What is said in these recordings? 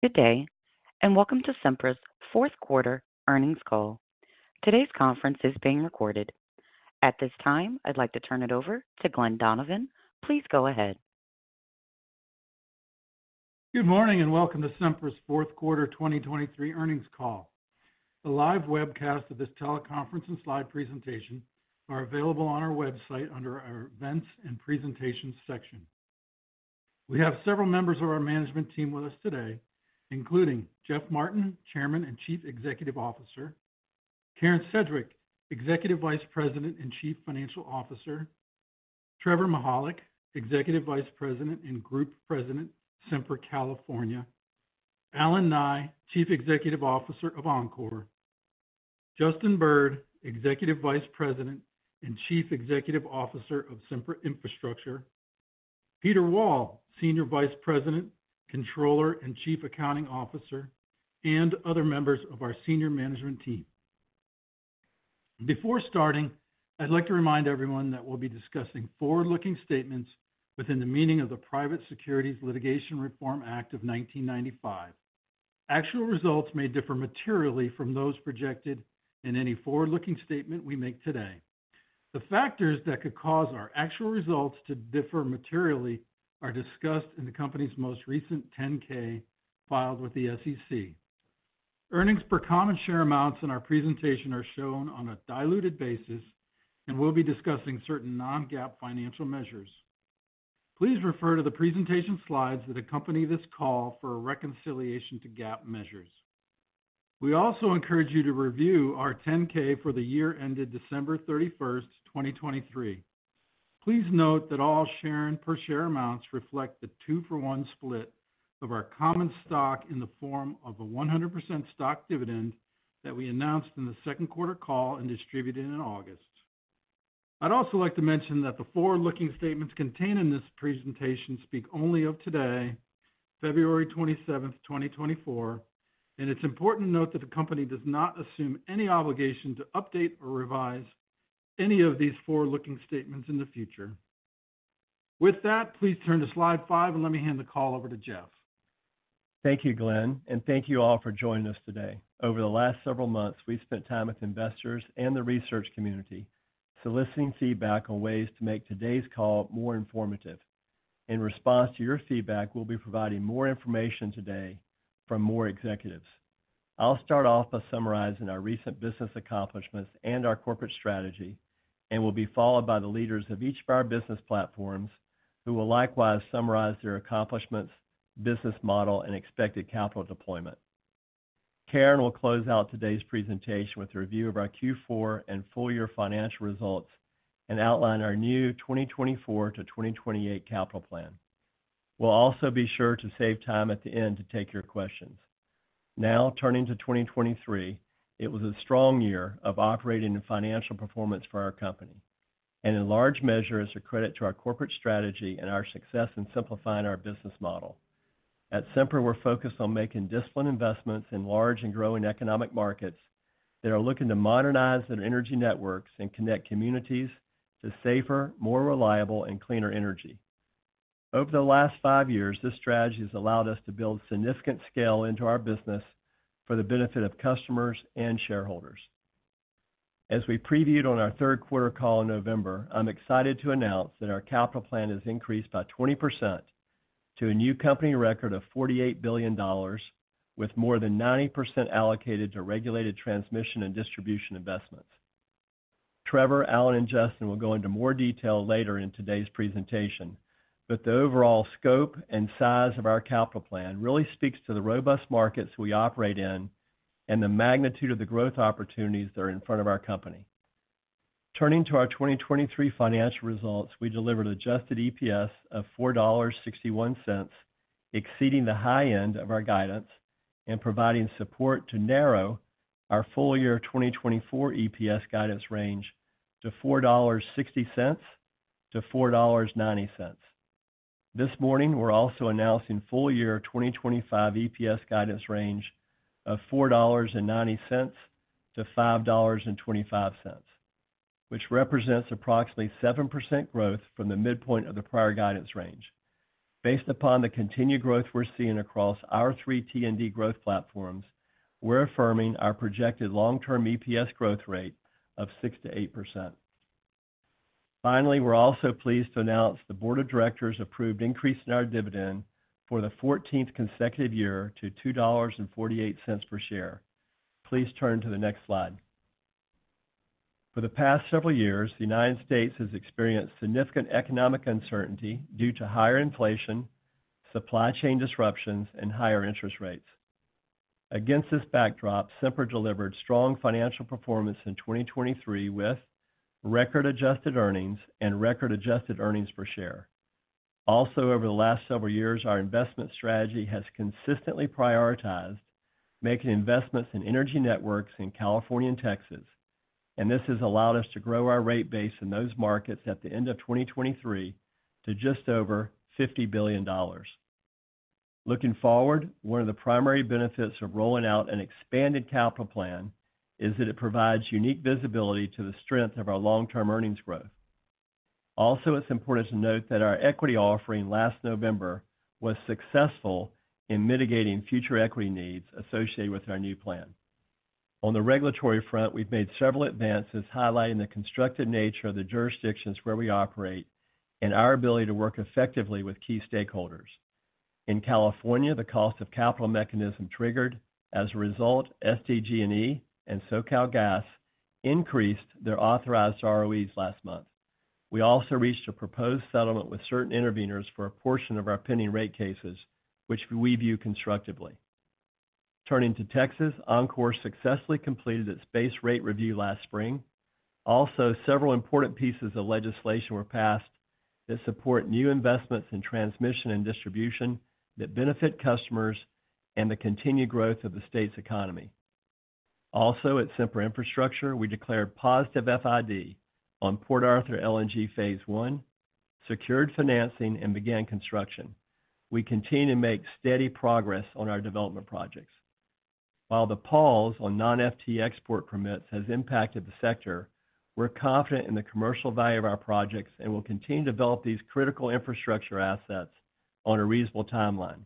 Good day, and welcome to Sempra's fourth quarter earnings call. Today's conference is being recorded. At this time, I'd like to turn it over to Glen Donovan. Please go ahead. Good morning, and welcome to Sempra's fourth quarter 2023 earnings call. A live webcast of this teleconference and slide presentation are available on our website under our Events and Presentations section. We have several members of our management team with us today, including Jeff Martin, Chairman and Chief Executive Officer, Karen Sedgwick, Executive Vice President and Chief Financial Officer, Trevor Mihalik, Executive Vice President and Group President, Sempra California, Allen Nye, Chief Executive Officer of Oncor, Justin Bird, Executive Vice President and Chief Executive Officer of Sempra Infrastructure, Peter Wall, Senior Vice President, Controller, and Chief Accounting Officer, and other members of our senior management team. Before starting, I'd like to remind everyone that we'll be discussing forward-looking statements within the meaning of the Private Securities Litigation Reform Act of 1995. Actual results may differ materially from those projected in any forward-looking statement we make today. The factors that could cause our actual results to differ materially are discussed in the company's most recent 10-K filed with the SEC. Earnings per common share amounts in our presentation are shown on a diluted basis, and we'll be discussing certain non-GAAP financial measures. Please refer to the presentation slides that accompany this call for a reconciliation to GAAP measures. We also encourage you to review our 10-K for the year ended December 31, 2023. Please note that all share and per share amounts reflect the 2-for-1 split of our common stock in the form of a 100% stock dividend that we announced in the second quarter call and distributed in August. I'd also like to mention that the forward-looking statements contained in this presentation speak only of today, February 27, 2024, and it's important to note that the company does not assume any obligation to update or revise any of these forward-looking statements in the future. With that, please turn to slide 5, and let me hand the call over to Jeff. Thank you, Glen, and thank you all for joining us today. Over the last several months, we've spent time with investors and the research community, soliciting feedback on ways to make today's call more informative. In response to your feedback, we'll be providing more information today from more executives. I'll start off by summarizing our recent business accomplishments and our corporate strategy, and will be followed by the leaders of each of our business platforms, who will likewise summarize their accomplishments, business model, and expected capital deployment. Karen will close out today's presentation with a review of our Q4 and full year financial results and outline our new 2024-2028 capital plan. We'll also be sure to save time at the end to take your questions. Now, turning to 2023, it was a strong year of operating and financial performance for our company, and in large measure, is a credit to our corporate strategy and our success in simplifying our business model. At Sempra, we're focused on making disciplined investments in large and growing economic markets that are looking to modernize their energy networks and connect communities to safer, more reliable, and cleaner energy. Over the last five years, this strategy has allowed us to build significant scale into our business for the benefit of customers and shareholders. As we previewed on our third quarter call in November, I'm excited to announce that our capital plan has increased by 20% to a new company record of $48 billion, with more than 90% allocated to regulated transmission and distribution investments. Trevor, Allen, and Justin will go into more detail later in today's presentation, but the overall scope and size of our capital plan really speaks to the robust markets we operate in and the magnitude of the growth opportunities that are in front of our company. Turning to our 2023 financial results, we delivered adjusted EPS of $4.61, exceeding the high end of our guidance and providing support to narrow our full year 2024 EPS guidance range to $4.60-$4.90. This morning, we're also announcing full year 2025 EPS guidance range of $4.90-$5.25, which represents approximately 7% growth from the midpoint of the prior guidance range. Based upon the continued growth we're seeing across our three T&D growth platforms, we're affirming our projected long-term EPS growth rate of 6%-8%. Finally, we're also pleased to announce the board of directors approved increase in our dividend for the fourteenth consecutive year to $2.48 per share. Please turn to the next slide. For the past several years, the United States has experienced significant economic uncertainty due to higher inflation, supply chain disruptions, and higher interest rates. Against this backdrop, Sempra delivered strong financial performance in 2023, with record adjusted earnings and record adjusted earnings per share. Also, over the last several years, our investment strategy has consistently prioritized making investments in energy networks in California and Texas, and this has allowed us to grow our rate base in those markets at the end of 2023 to just over $50 billion. Looking forward, one of the primary benefits of rolling out an expanded capital plan is that it provides unique visibility to the strength of our long-term earnings growth. Also, it's important to note that our equity offering last November was successful in mitigating future equity needs associated with our new plan. On the regulatory front, we've made several advances highlighting the constructive nature of the jurisdictions where we operate and our ability to work effectively with key stakeholders. In California, the Cost of Capital Mechanism triggered. As a result, SDG&E and SoCalGas increased their authorized ROEs last month. We also reached a proposed settlement with certain interveners for a portion of our pending rate cases, which we view constructively. Turning to Texas, Oncor successfully completed its base rate review last spring. Also, several important pieces of legislation were passed that support new investments in transmission and distribution that benefit customers and the continued growth of the state's economy. Also, at Sempra Infrastructure, we declared positive FID on Port Arthur LNG Phase One, secured financing, and began construction. We continue to make steady progress on our development projects. While the pause on non-FTA export permits has impacted the sector, we're confident in the commercial value of our projects and will continue to develop these critical infrastructure assets on a reasonable timeline.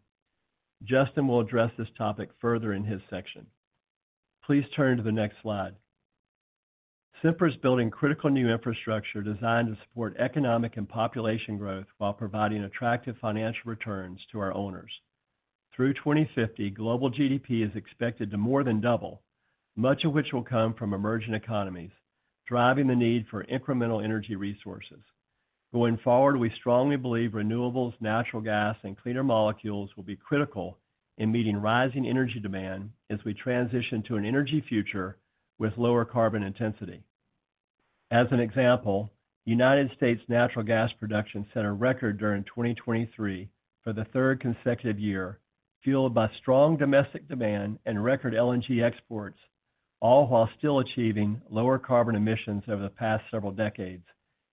Justin will address this topic further in his section. Please turn to the next slide. Sempra is building critical new infrastructure designed to support economic and population growth while providing attractive financial returns to our owners. Through 2050, global GDP is expected to more than double, much of which will come from emerging economies, driving the need for incremental energy resources. Going forward, we strongly believe renewables, natural gas, and cleaner molecules will be critical in meeting rising energy demand as we transition to an energy future with lower carbon intensity. As an example, United States natural gas production set a record during 2023 for the third consecutive year, fueled by strong domestic demand and record LNG exports, all while still achieving lower carbon emissions over the past several decades,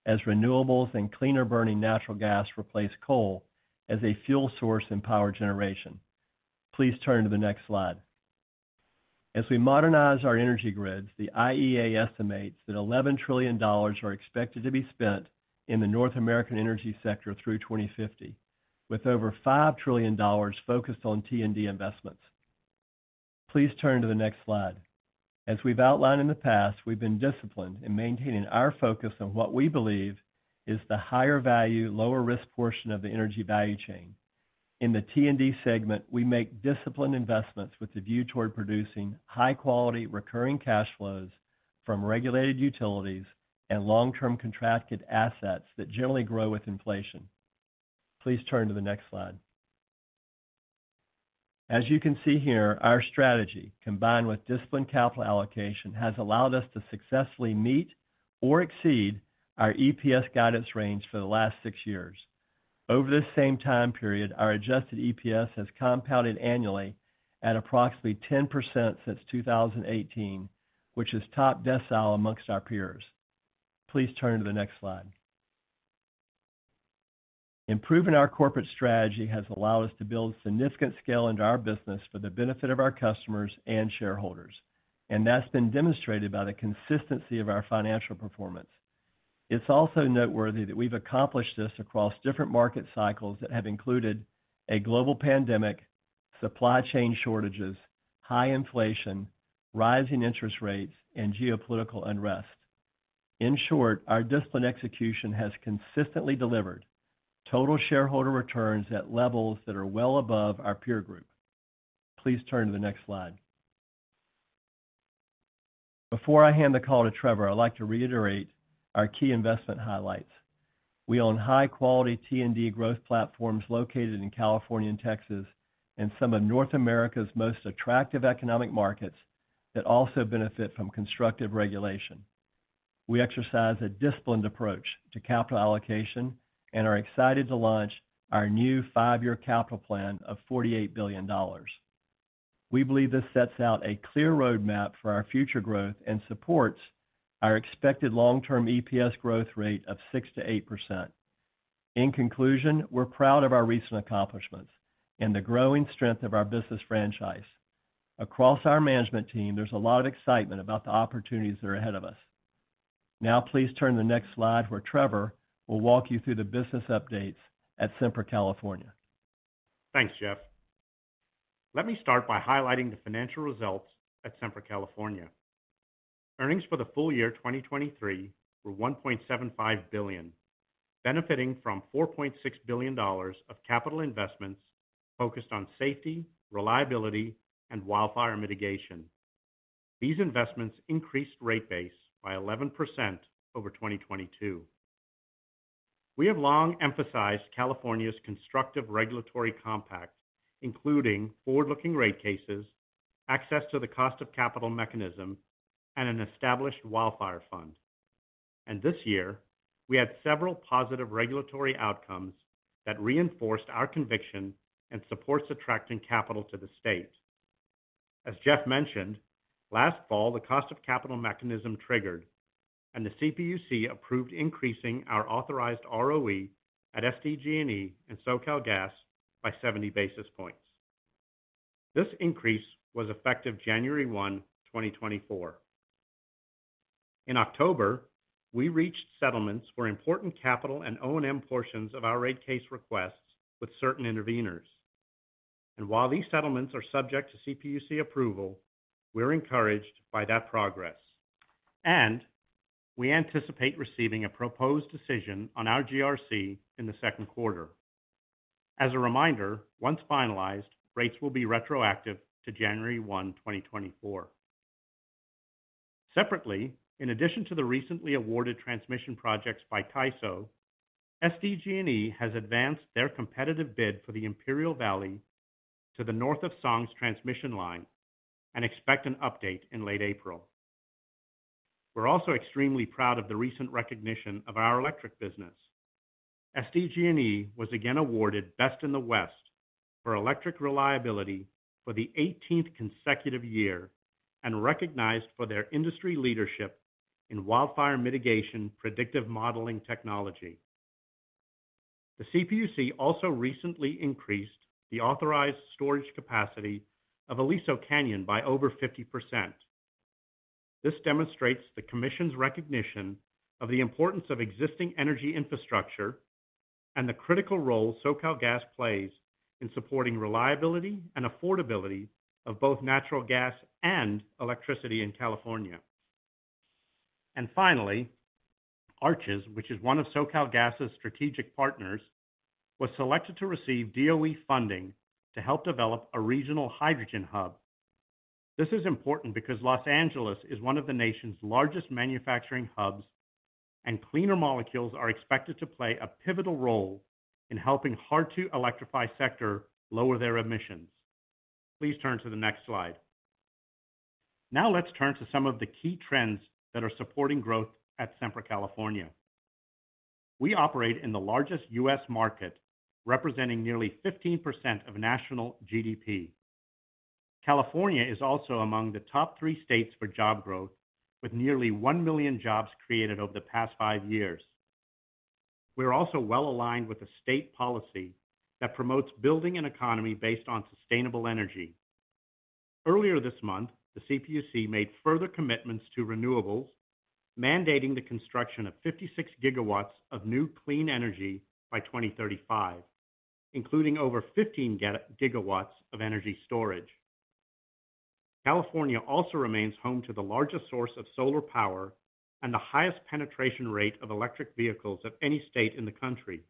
as renewables and cleaner-burning natural gas replace coal as a fuel source in power generation. Please turn to the next slide. As we modernize our energy grids, the IEA estimates that $11 trillion are expected to be spent in the North American energy sector through 2050, with over $5 trillion focused on T&D investments. Please turn to the next slide. As we've outlined in the past, we've been disciplined in maintaining our focus on what we believe is the higher value, lower risk portion of the energy value chain. In the T&D segment, we make disciplined investments with the view toward producing high-quality, recurring cash flows from regulated utilities and long-term contracted assets that generally grow with inflation. Please turn to the next slide. As you can see here, our strategy, combined with disciplined capital allocation, has allowed us to successfully meet or exceed our EPS guidance range for the last 6 years. Over this same time period, our adjusted EPS has compounded annually at approximately 10% since 2018, which is top decile amongst our peers. Please turn to the next slide. Improving our corporate strategy has allowed us to build significant scale into our business for the benefit of our customers and shareholders, and that's been demonstrated by the consistency of our financial performance. It's also noteworthy that we've accomplished this across different market cycles that have included a global pandemic, supply chain shortages, high inflation, rising interest rates, and geopolitical unrest. In short, our disciplined execution has consistently delivered total shareholder returns at levels that are well above our peer group. Please turn to the next slide. Before I hand the call to Trevor, I'd like to reiterate our key investment highlights. We own high-quality T&D growth platforms located in California and Texas, and some of North America's most attractive economic markets that also benefit from constructive regulation. We exercise a disciplined approach to capital allocation and are excited to launch our new five-year capital plan of $48 billion. We believe this sets out a clear roadmap for our future growth and supports our expected long-term EPS growth rate of 6%-8%. In conclusion, we're proud of our recent accomplishments and the growing strength of our business franchise. Across our management team, there's a lot of excitement about the opportunities that are ahead of us. Now, please turn to the next slide, where Trevor will walk you through the business updates at Sempra California. Thanks, Jeff. Let me start by highlighting the financial results at Sempra California. Earnings for the full year 2023 were $1.75 billion, benefiting from $4.6 billion of capital investments focused on safety, reliability, and wildfire mitigation. These investments increased rate base by 11% over 2022. We have long emphasized California's constructive regulatory compact, including forward-looking rate cases, access to the cost of capital mechanism, and an established wildfire fund. This year, we had several positive regulatory outcomes that reinforced our conviction and supports attracting capital to the state. As Jeff mentioned, last fall, the cost of capital mechanism triggered, and the CPUC approved increasing our authorized ROE at SDG&E and SoCalGas by 70 basis points. This increase was effective January 1, 2024. In October, we reached settlements where important capital and O&M portions of our rate case requests with certain interveners. While these settlements are subject to CPUC approval, we're encouraged by that progress, and we anticipate receiving a proposed decision on our GRC in the second quarter. As a reminder, once finalized, rates will be retroactive to January 1, 2024. Separately, in addition to the recently awarded transmission projects by CAISO, SDG&E has advanced their competitive bid for the Imperial Valley to the north of SONGS Transmission Line and expect an update in late April. We're also extremely proud of the recent recognition of our electric business. SDG&E was again awarded Best in the West for electric reliability for the 18th consecutive year and recognized for their industry leadership in wildfire mitigation predictive modeling technology. The CPUC also recently increased the authorized storage capacity of Aliso Canyon by over 50%. This demonstrates the Commission's recognition of the importance of existing energy infrastructure and the critical role SoCal Gas plays in supporting reliability and affordability of both natural gas and electricity in California. And finally, ARCHES, which is one of SoCalGas's strategic partners, was selected to receive DOE funding to help develop a regional hydrogen hub. This is important because Los Angeles is one of the nation's largest manufacturing hubs, and cleaner molecules are expected to play a pivotal role in helping hard-to-electrify sector lower their emissions. Please turn to the next slide. Now let's turn to some of the key trends that are supporting growth at Sempra California. We operate in the largest U.S. market, representing nearly 15% of national GDP. California is also among the top 3 states for job growth, with nearly 1 million jobs created over the past 5 years. We're also well-aligned with the state policy that promotes building an economy based on sustainable energy. Earlier this month, the CPUC made further commitments to renewables, mandating the construction of 56 gigawatts of new clean energy by 2035, including over 15 gigawatts of energy storage. California also remains home to the largest source of solar power and the highest penetration rate of electric vehicles of any state in the country.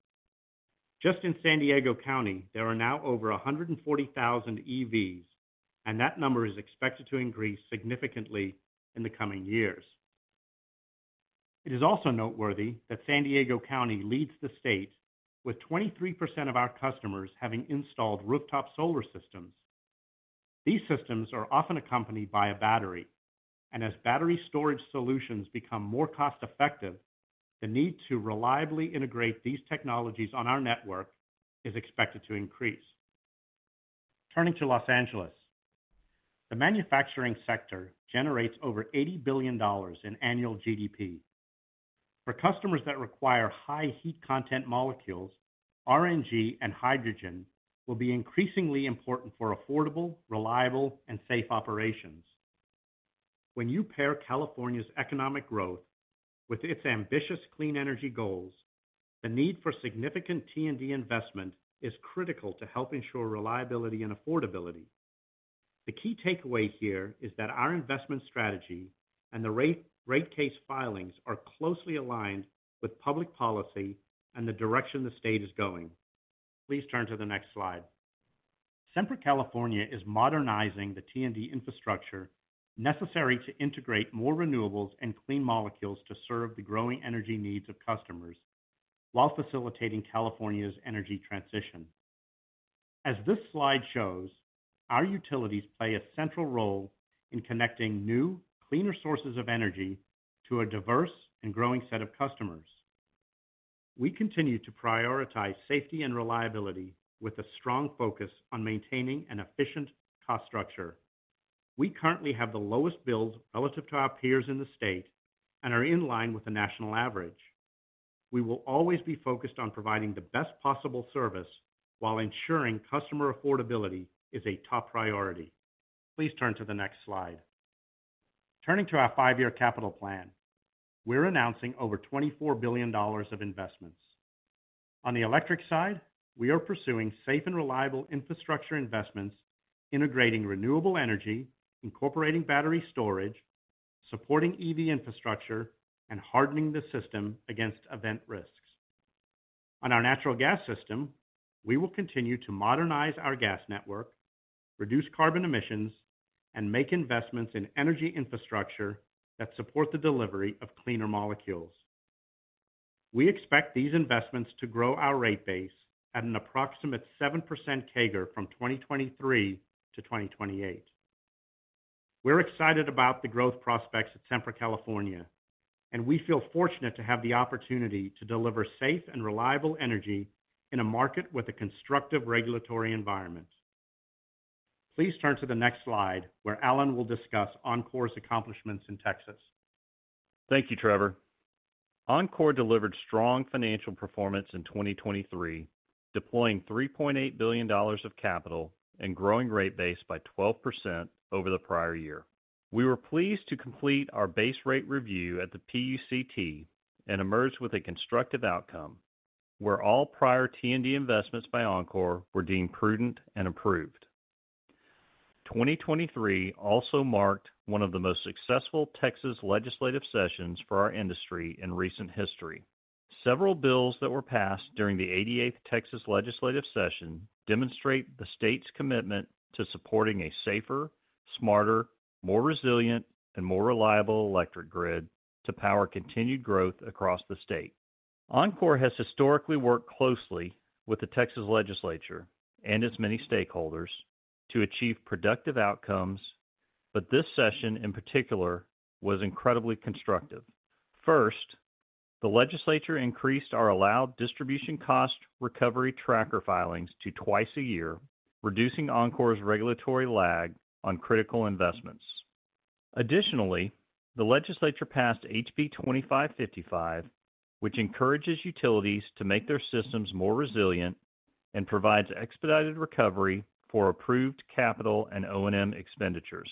Just in San Diego County, there are now over 140,000 EVs, and that number is expected to increase significantly in the coming years. It is also noteworthy that San Diego County leads the state, with 23% of our customers having installed rooftop solar systems. These systems are often accompanied by a battery, and as battery storage solutions become more cost-effective, the need to reliably integrate these technologies on our network is expected to increase. Turning to Los Angeles, the manufacturing sector generates over $80 billion in annual GDP. For customers that require high heat content molecules, RNG and hydrogen will be increasingly important for affordable, reliable, and safe operations. When you pair California's economic growth with its ambitious clean energy goals, the need for significant T&D investment is critical to help ensure reliability and affordability. The key takeaway here is that our investment strategy and the rate case filings are closely aligned with public policy and the direction the state is going. Please turn to the next slide. Sempra California is modernizing the T&D infrastructure necessary to integrate more renewables and clean molecules to serve the growing energy needs of customers while facilitating California's energy transition. As this slide shows, our utilities play a central role in connecting new, cleaner sources of energy to a diverse and growing set of customers. We continue to prioritize safety and reliability with a strong focus on maintaining an efficient cost structure. We currently have the lowest bills relative to our peers in the state and are in line with the national average. We will always be focused on providing the best possible service while ensuring customer affordability is a top priority. Please turn to the next slide. Turning to our five-year capital plan, we're announcing over $24 billion of investments. On the electric side, we are pursuing safe and reliable infrastructure investments, integrating renewable energy, incorporating battery storage, supporting EV infrastructure, and hardening the system against event risks. On our natural gas system, we will continue to modernize our gas network, reduce carbon emissions, and make investments in energy infrastructure that support the delivery of cleaner molecules. We expect these investments to grow our rate base at an approximate 7% CAGR from 2023 to 2028. We're excited about the growth prospects at Sempra California, and we feel fortunate to have the opportunity to deliver safe and reliable energy in a market with a constructive regulatory environment. Please turn to the next slide, where Allen will discuss Oncor's accomplishments in Texas. Thank you, Trevor. Oncor delivered strong financial performance in 2023, deploying $3.8 billion of capital and growing rate base by 12% over the prior year. We were pleased to complete our base rate review at the PUCT and emerged with a constructive outcome, where all prior T&D investments by Oncor were deemed prudent and approved. 2023 also marked one of the most successful Texas legislative sessions for our industry in recent history. Several bills that were passed during the 88th Texas legislative session demonstrate the state's commitment to supporting a safer, smarter, more resilient, and more reliable electric grid to power continued growth across the state. Oncor has historically worked closely with the Texas Legislature and its many stakeholders to achieve productive outcomes, but this session, in particular, was incredibly constructive. First, the legislature increased our allowed distribution cost recovery tracker filings to twice a year, reducing Oncor's regulatory lag on critical investments. Additionally, the legislature passed HB 2555, which encourages utilities to make their systems more resilient and provides expedited recovery for approved capital and O&M expenditures.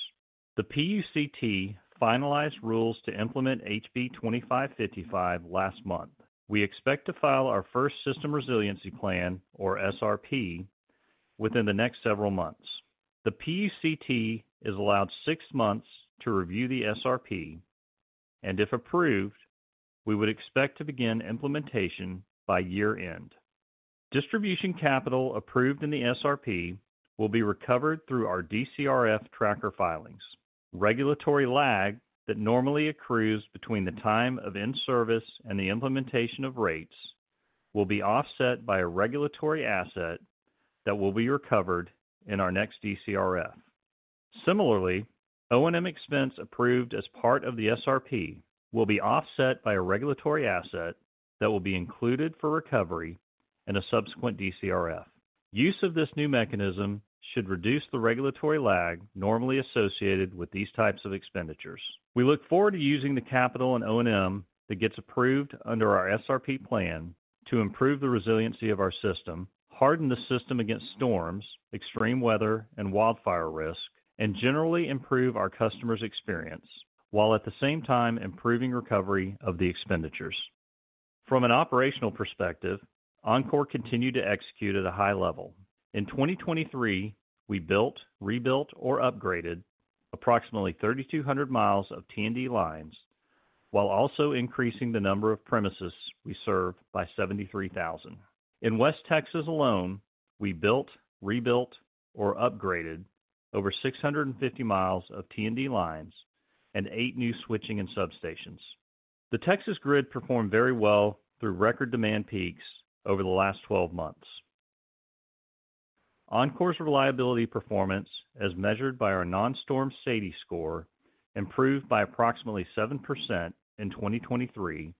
The PUCT finalized rules to implement HB 2555 last month. We expect to file our first system resiliency plan, or SRP, within the next several months. The PUCT is allowed six months to review the SRP, and if approved, we would expect to begin implementation by year-end. Distribution capital approved in the SRP will be recovered through our DCRF tracker filings. Regulatory lag that normally accrues between the time of in-service and the implementation of rates will be offset by a regulatory asset that will be recovered in our next DCRF. Similarly, O&M expense approved as part of the SRP will be offset by a regulatory asset that will be included for recovery in a subsequent DCRF. Use of this new mechanism should reduce the regulatory lag normally associated with these types of expenditures. We look forward to using the capital and O&M that gets approved under our SRP plan to improve the resiliency of our system, harden the system against storms, extreme weather, and wildfire risk, and generally improve our customers' experience, while at the same time improving recovery of the expenditures. From an operational perspective, Oncor continued to execute at a high level. In 2023, we built, rebuilt, or upgraded approximately 3,200 miles of T&D lines, while also increasing the number of premises we serve by 73,000. In West Texas alone, we built, rebuilt, or upgraded over 650 miles of T&D lines and 8 new switching and substations. The Texas grid performed very well through record demand peaks over the last 12 months. Oncor's reliability performance, as measured by our non-storm SAIDI score, improved by approximately 7% in 2023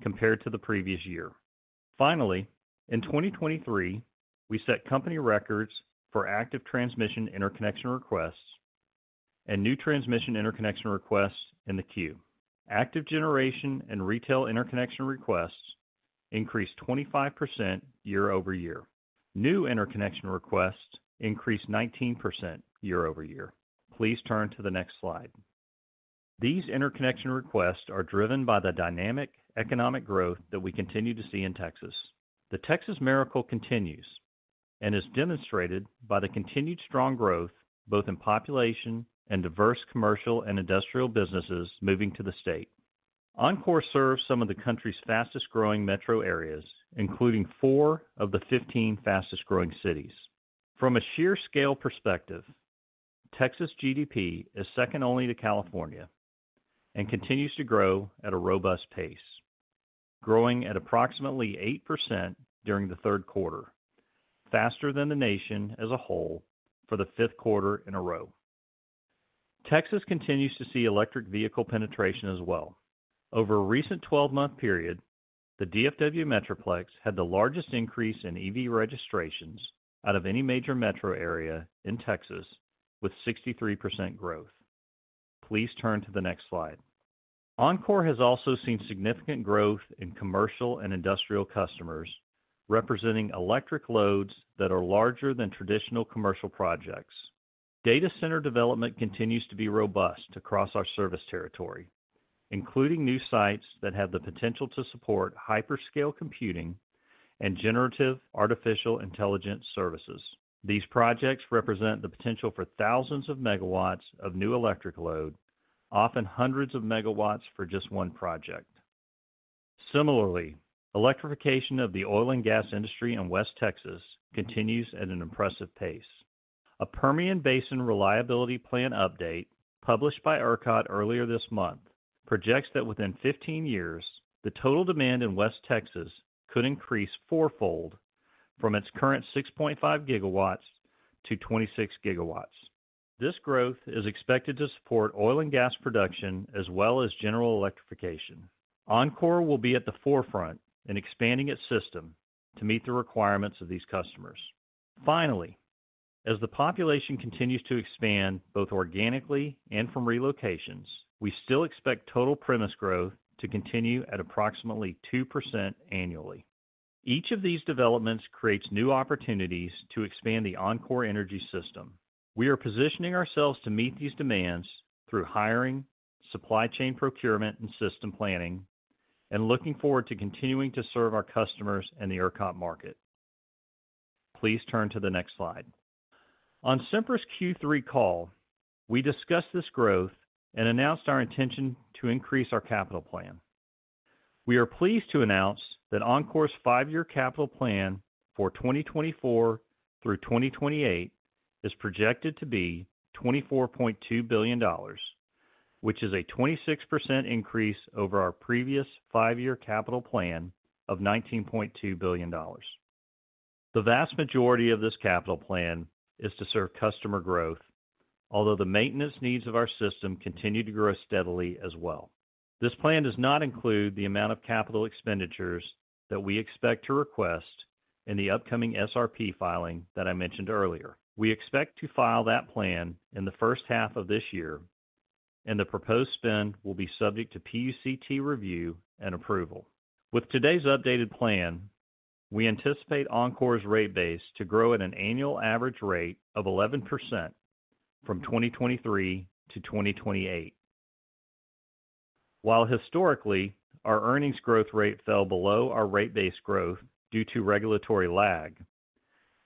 compared to the previous year. Finally, in 2023, we set company records for active transmission interconnection requests and new transmission interconnection requests in the queue. Active generation and retail interconnection requests increased 25% year-over-year. New interconnection requests increased 19% year-over-year. Please turn to the next slide. These interconnection requests are driven by the dynamic economic growth that we continue to see in Texas. The Texas miracle continues and is demonstrated by the continued strong growth, both in population and diverse commercial and industrial businesses moving to the state. Oncor serves some of the country's fastest-growing metro areas, including 4 of the 15 fastest-growing cities. From a sheer scale perspective, Texas GDP is second only to California and continues to grow at a robust pace, growing at approximately 8% during the third quarter, faster than the nation as a whole for the 5th quarter in a row. Texas continues to see electric vehicle penetration as well. Over a recent 12-month period, the DFW Metroplex had the largest increase in EV registrations out of any major metro area in Texas, with 63% growth. Please turn to the next slide. Oncor has also seen significant growth in commercial and industrial customers, representing electric loads that are larger than traditional commercial projects. Data center development continues to be robust across our service territory, including new sites that have the potential to support hyperscale computing and generative artificial intelligence services. These projects represent the potential for thousands of megawatts of new electric load, often hundreds of megawatts for just one project. Similarly, electrification of the oil and gas industry in West Texas continues at an impressive pace. A Permian Basin Reliability Plan update, published by ERCOT earlier this month, projects that within 15 years, the total demand in West Texas could increase fourfold from its current 6.5 gigawatts to 26 gigawatts. This growth is expected to support oil and gas production as well as general electrification. Oncor will be at the forefront in expanding its system to meet the requirements of these customers. as the population continues to expand, both organically and from relocations, we still expect total premise growth to continue at approximately 2% annually. Each of these developments creates new opportunities to expand the Oncor Energy system. We are positioning ourselves to meet these demands through hiring, supply chain procurement, and system planning, and looking forward to continuing to serve our customers in the ERCOT market. Please turn to the next slide. On Sempra's Q3 call, we discussed this growth and announced our intention to increase our capital plan. We are pleased to announce that Oncor's five-year capital plan for 2024 through 2028 is projected to be $24.2 billion, which is a 26% increase over our previous five-year capital plan of $19.2 billion. The vast majority of this capital plan is to serve customer growth, although the maintenance needs of our system continue to grow steadily as well. This plan does not include the amount of capital expenditures that we expect to request in the upcoming SRP filing that I mentioned earlier. We expect to file that plan in the first half of this year, and the proposed spend will be subject to PUCT review and approval. With today's updated plan, we anticipate Oncor's rate base to grow at an annual average rate of 11% from 2023 to 2028. While historically, our earnings growth rate fell below our rate base growth due to regulatory lag,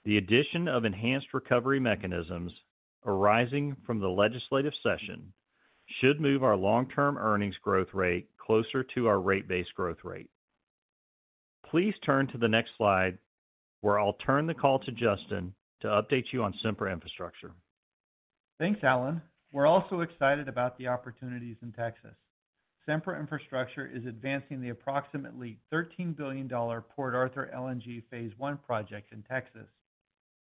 the addition of enhanced recovery mechanisms arising from the legislative session should move our long-term earnings growth rate closer to our rate base growth rate. Please turn to the next slide, where I'll turn the call to Justin to update you on Sempra Infrastructure. Thanks, Allen. We're also excited about the opportunities in Texas. Sempra Infrastructure is advancing the approximately $13 billion Port Arthur LNG Phase One project in Texas.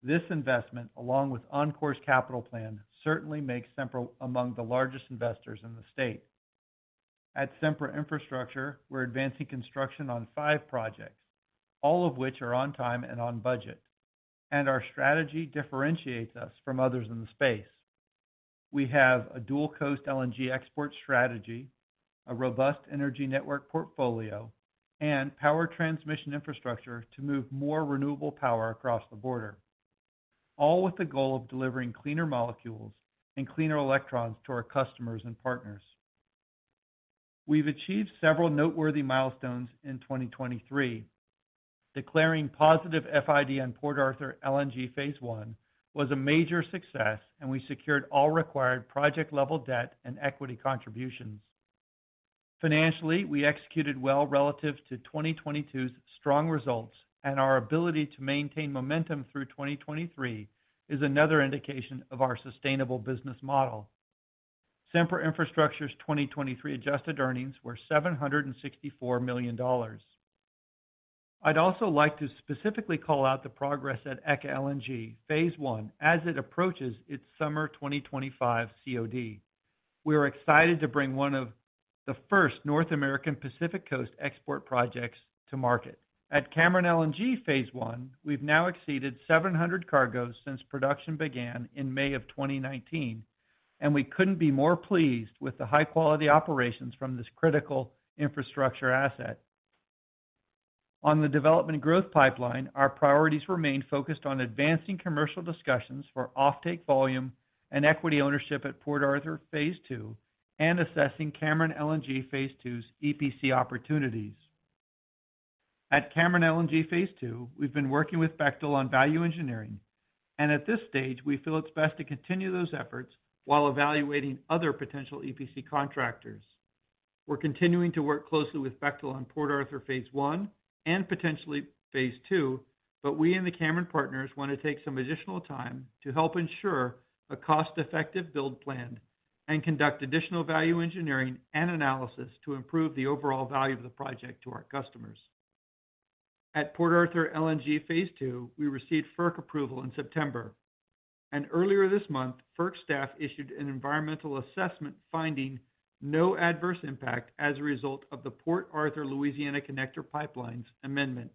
This investment, along with Oncor's capital plan, certainly makes Sempra among the largest investors in the state. At Sempra Infrastructure, we're advancing construction on 5 projects, all of which are on time and on budget, and our strategy differentiates us from others in the space. We have a dual-coast LNG export strategy, a robust energy network portfolio, and power transmission infrastructure to move more renewable power across the border, all with the goal of delivering cleaner molecules and cleaner electrons to our customers and partners. We've achieved several noteworthy milestones in 2023. Declaring positive FID on Port Arthur LNG Phase One was a major success, and we secured all required project-level debt and equity contributions. Financially, we executed well relative to 2022's strong results, and our ability to maintain momentum through 2023 is another indication of our sustainable business model. Sempra Infrastructure's 2023 adjusted earnings were $764 million. I'd also like to specifically call out the progress at ECA LNG Phase One as it approaches its summer 2025 COD. We are excited to bring one of the first North American Pacific Coast export projects to market. At Cameron LNG Phase One, we've now exceeded 700 cargos since production began in May of 2019, and we couldn't be more pleased with the high-quality operations from this critical infrastructure asset. On the development growth pipeline, our priorities remain focused on advancing commercial discussions for offtake volume and equity ownership at Port Arthur Phase Two and assessing Cameron LNG Phase Two's EPC opportunities. At Cameron LNG Phase Two, we've been working with Bechtel on value engineering, and at this stage, we feel it's best to continue those efforts while evaluating other potential EPC contractors. We're continuing to work closely with Bechtel on Port Arthur Phase One and potentially Phase Two, but we and the Cameron partners want to take some additional time to help ensure a cost-effective build plan and conduct additional value engineering and analysis to improve the overall value of the project to our customers. At Port Arthur LNG Phase Two, we received FERC approval in September, and earlier this month, FERC staff issued an environmental assessment finding no adverse impact as a result of the Port Arthur Louisiana Connector Pipelines amendment.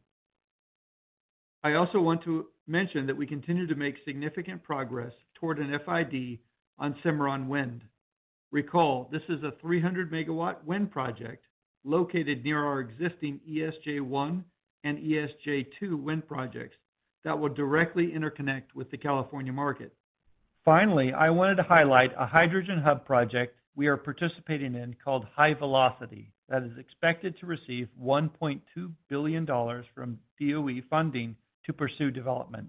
I also want to mention that we continue to make significant progress toward an FID on Cimarron Wind. Recall, this is a 300-megawatt wind project located near our existing ESJ-One and ESJ-Two wind projects that will directly interconnect with the California market. Finally, I wanted to highlight a hydrogen hub project we are participating in, called HyVelocity, that is expected to receive $1.2 billion from DOE funding to pursue development.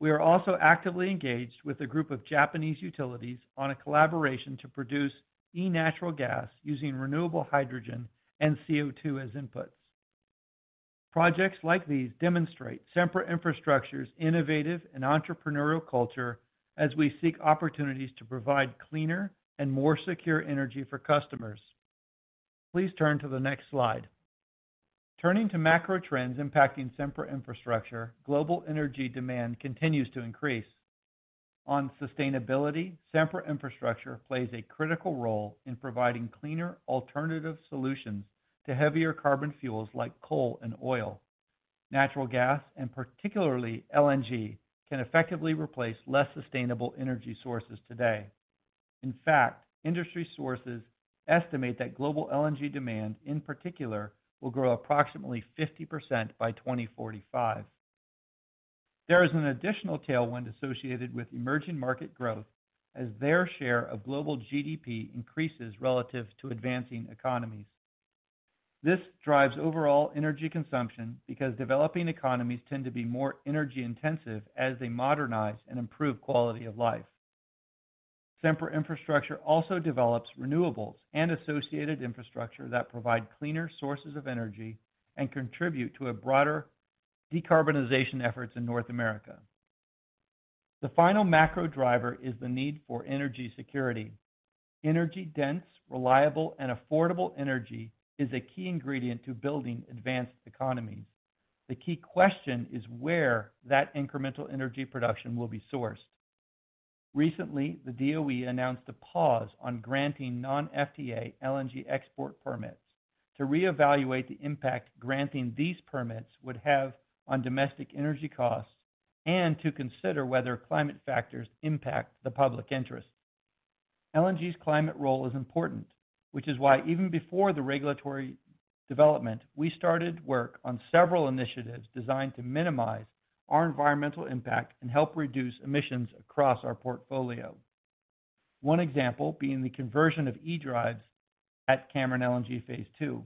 We are also actively engaged with a group of Japanese utilities on a collaboration to produce e-natural gas using renewable hydrogen and CO2 as inputs. Projects like these demonstrate Sempra Infrastructure's innovative and entrepreneurial culture as we seek opportunities to provide cleaner and more secure energy for customers. Please turn to the next slide. Turning to macro trends impacting Sempra Infrastructure, global energy demand continues to increase. On sustainability, Sempra Infrastructure plays a critical role in providing cleaner alternative solutions to heavier carbon fuels like coal and oil. Natural gas, and particularly LNG, can effectively replace less sustainable energy sources today. In fact, industry sources estimate that global LNG demand, in particular, will grow approximately 50% by 2045. There is an additional tailwind associated with emerging market growth as their share of global GDP increases relative to advancing economies. This drives overall energy consumption because developing economies tend to be more energy-intensive as they modernize and improve quality of life. Sempra Infrastructure also develops renewables and associated infrastructure that provide cleaner sources of energy and contribute to a broader decarbonization efforts in North America. The final macro driver is the need for energy security. Energy dense, reliable, and affordable energy is a key ingredient to building advanced economies. The key question is where that incremental energy production will be sourced. Recently, the DOE announced a pause on granting non-FTA LNG export permits to reevaluate the impact granting these permits would have on domestic energy costs and to consider whether climate factors impact the public interest. LNG's climate role is important, which is why, even before the regulatory development, we started work on several initiatives designed to minimize our environmental impact and help reduce emissions across our portfolio. One example being the conversion of e-drives at Cameron LNG Phase Two.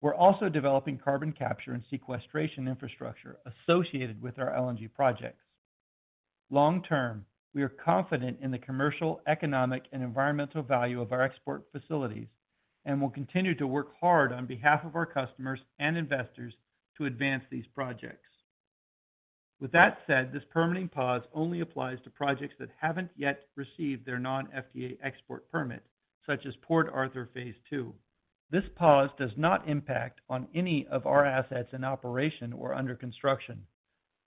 We're also developing carbon capture and sequestration infrastructure associated with our LNG projects. Long-term, we are confident in the commercial, economic, and environmental value of our export facilities, and we'll continue to work hard on behalf of our customers and investors to advance these projects. With that said, this permitting pause only applies to projects that haven't yet received their non-FTA export permit, such as Port Arthur Phase Two. This pause does not impact on any of our assets in operation or under construction.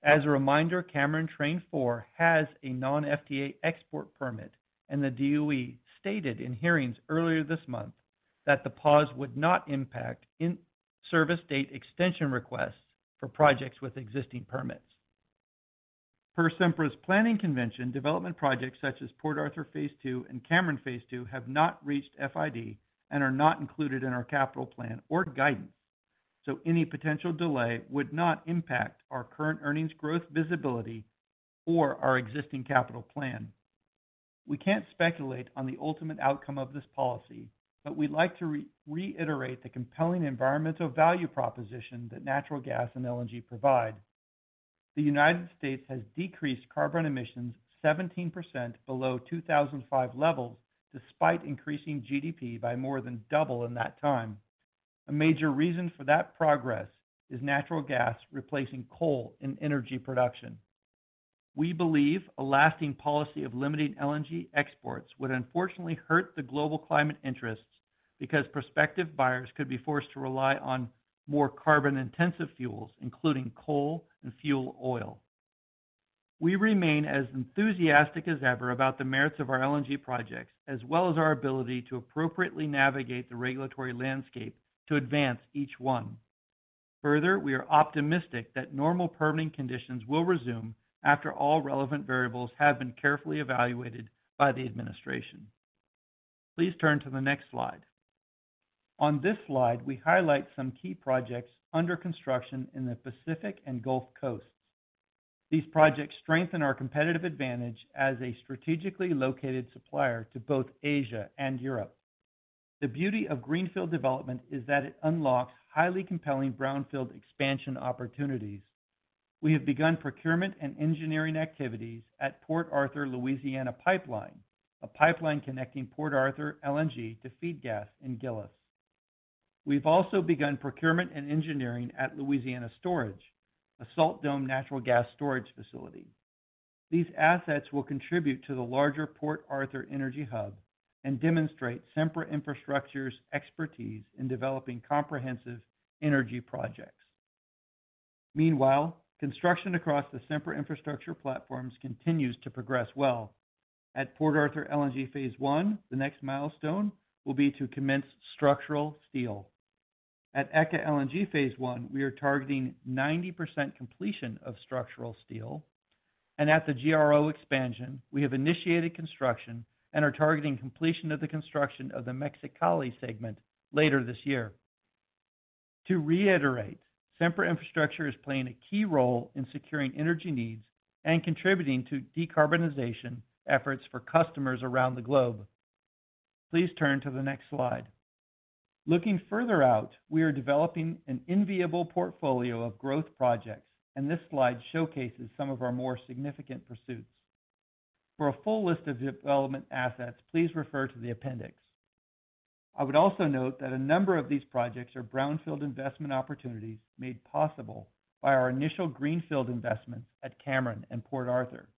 As a reminder, Cameron Train Four has a non-FTA export permit, and the DOE stated in hearings earlier this month that the pause would not impact in-service date extension requests for projects with existing permits. Per Sempra's planning convention, development projects such as Port Arthur Phase Two and Cameron Phase Two have not reached FID and are not included in our capital plan or guidance, so any potential delay would not impact our current earnings growth, visibility, or our existing capital plan. We can't speculate on the ultimate outcome of this policy, but we'd like to re-reiterate the compelling environmental value proposition that natural gas and LNG provide. The United States has decreased carbon emissions 17% below 2005 levels, despite increasing GDP by more than double in that time. A major reason for that progress is natural gas replacing coal in energy production. We believe a lasting policy of limiting LNG exports would unfortunately hurt the global climate interests because prospective buyers could be forced to rely on more carbon-intensive fuels, including coal and fuel oil. We remain as enthusiastic as ever about the merits of our LNG projects, as well as our ability to appropriately navigate the regulatory landscape to advance each one. Further, we are optimistic that normal permitting conditions will resume after all relevant variables have been carefully evaluated by the administration. Please turn to the next slide. On this slide, we highlight some key projects under construction in the Pacific and Gulf Coasts. These projects strengthen our competitive advantage as a strategically located supplier to both Asia and Europe. The beauty of greenfield development is that it unlocks highly compelling brownfield expansion opportunities. We have begun procurement and engineering activities at Port Arthur Louisiana Pipeline, a pipeline connecting Port Arthur LNG to feed gas in Gillis. We've also begun procurement and engineering at Louisiana Storage, a salt dome natural gas storage facility. These assets will contribute to the larger Port Arthur energy hub and demonstrate Sempra Infrastructure's expertise in developing comprehensive energy projects. Meanwhile, construction across the Sempra Infrastructure platforms continues to progress well. At Port Arthur LNG Phase One, the next milestone will be to commence structural steel. At ECA LNG Phase One, we are targeting 90% completion of structural steel, and at the GRO expansion, we have initiated construction and are targeting completion of the construction of the Mexicali segment later this year. To reiterate, Sempra Infrastructure is playing a key role in securing energy needs and contributing to decarbonization efforts for customers around the globe. Please turn to the next slide. Looking further out, we are developing an enviable portfolio of growth projects, and this slide showcases some of our more significant pursuits. For a full list of development assets, please refer to the appendix. I would also note that a number of these projects are brownfield investment opportunities made possible by our initial greenfield investments at Cameron and Port Arthur.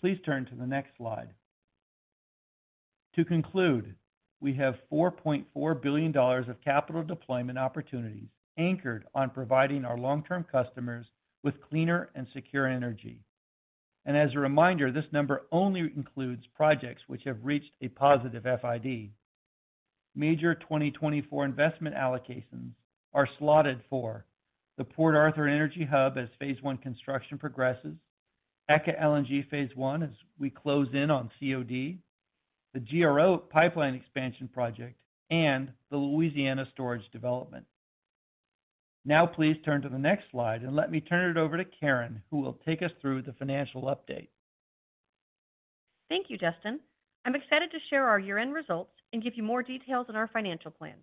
Please turn to the next slide. To conclude, we have $4.4 billion of capital deployment opportunities anchored on providing our long-term customers with cleaner and secure energy. As a reminder, this number only includes projects which have reached a positive FID. Major 2024 investment allocations are slotted for the Port Arthur Energy Hub as phase one construction progresses, ECA LNG phase one, as we close in on COD, the GRO pipeline expansion project, and the Louisiana storage development. Now, please turn to the next slide and let me turn it over to Karen, who will take us through the financial update. Thank you, Justin. I'm excited to share our year-end results and give you more details on our financial plan.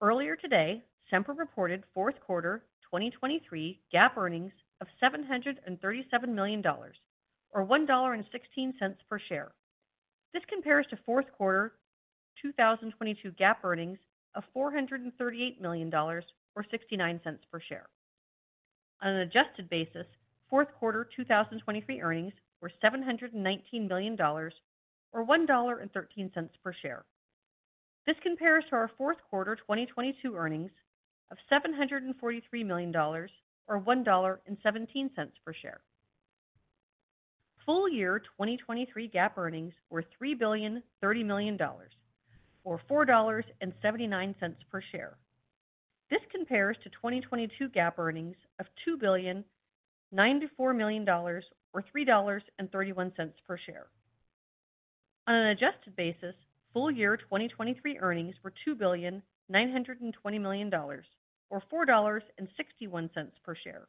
Earlier today, Sempra reported fourth quarter 2023 GAAP earnings of $737 million, or $1.16 per share. This compares to fourth quarter 2022 GAAP earnings of $438 million or $0.69 per share. On an adjusted basis, fourth quarter 2023 earnings were $719 million, or $1.13 per share. This compares to our fourth quarter 2022 earnings of $743 million, or $1.17 per share. Full year 2023 GAAP earnings were $3.03 billion, or $4.79 per share. This compares to 2022 GAAP earnings of $2.094 billion, or $3.31 per share. On an adjusted basis, full year 2023 earnings were $2.92 billion, or $4.61 per share.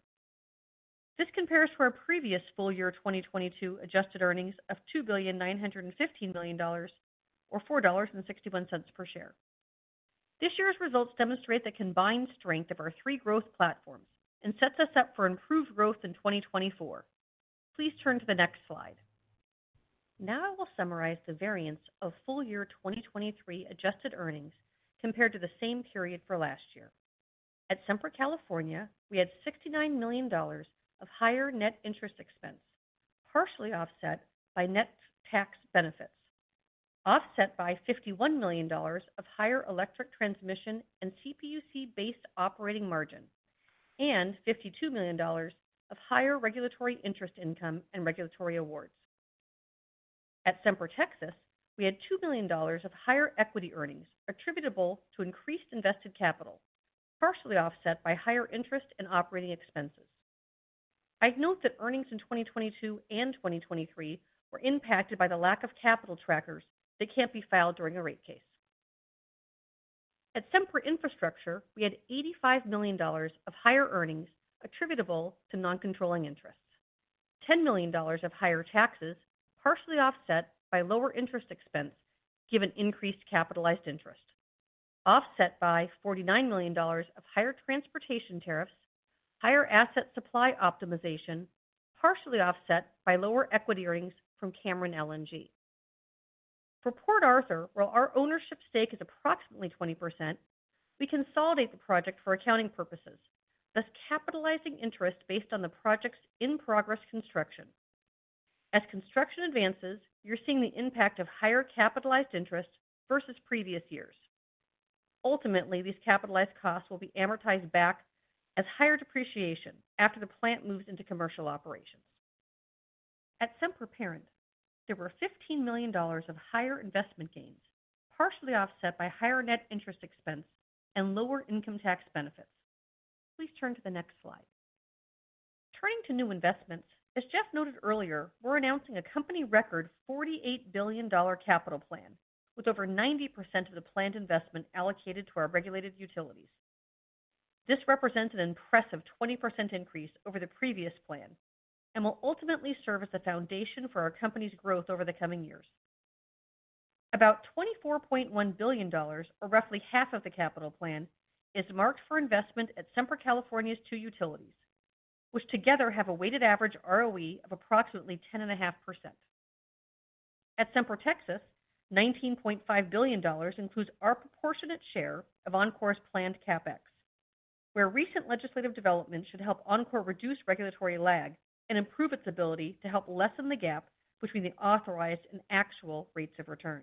This compares to our previous full year 2022 adjusted earnings of $2.915 billion, or $4.61 per share. This year's results demonstrate the combined strength of our three growth platforms and sets us up for improved growth in 2024. Please turn to the next slide. Now I will summarize the variance of full year 2023 adjusted earnings compared to the same period for last year. At Sempra California, we had $69 million of higher net interest expense, partially offset by net tax benefits, offset by $51 million of higher electric transmission and CPUC-based operating margin, and $52 million of higher regulatory interest income and regulatory awards. At Sempra Texas, we had $2 million of higher equity earnings attributable to increased invested capital, partially offset by higher interest and operating expenses. I'd note that earnings in 2022 and 2023 were impacted by the lack of capital trackers that can't be filed during a rate case. At Sempra Infrastructure, we had $85 million of higher earnings attributable to non-controlling interests. $10 million of higher taxes, partially offset by lower interest expense, given increased capitalized interest. Offset by $49 million of higher transportation tariffs, higher asset supply optimization, partially offset by lower equity earnings from Cameron LNG. For Port Arthur, while our ownership stake is approximately 20%, we consolidate the project for accounting purposes, thus capitalizing interest based on the project's in-progress construction. As construction advances, you're seeing the impact of higher capitalized interest versus previous years. Ultimately, these capitalized costs will be amortized back as higher depreciation after the plant moves into commercial operations. At Sempra Parent, there were $15 million of higher investment gains, partially offset by higher net interest expense and lower income tax benefits. Please turn to the next slide. Turning to new investments, as Jeff noted earlier, we're announcing a company record $48 billion capital plan, with over 90% of the planned investment allocated to our regulated utilities. This represents an impressive 20% increase over the previous plan and will ultimately serve as the foundation for our company's growth over the coming years. About $24.1 billion, or roughly half of the capital plan, is marked for investment at Sempra California's two utilities, which together have a weighted average ROE of approximately 10.5%. At Sempra Texas, $19.5 billion includes our proportionate share of Oncor's planned CapEx, where recent legislative developments should help Oncor reduce regulatory lag and improve its ability to help lessen the gap between the authorized and actual rates of return.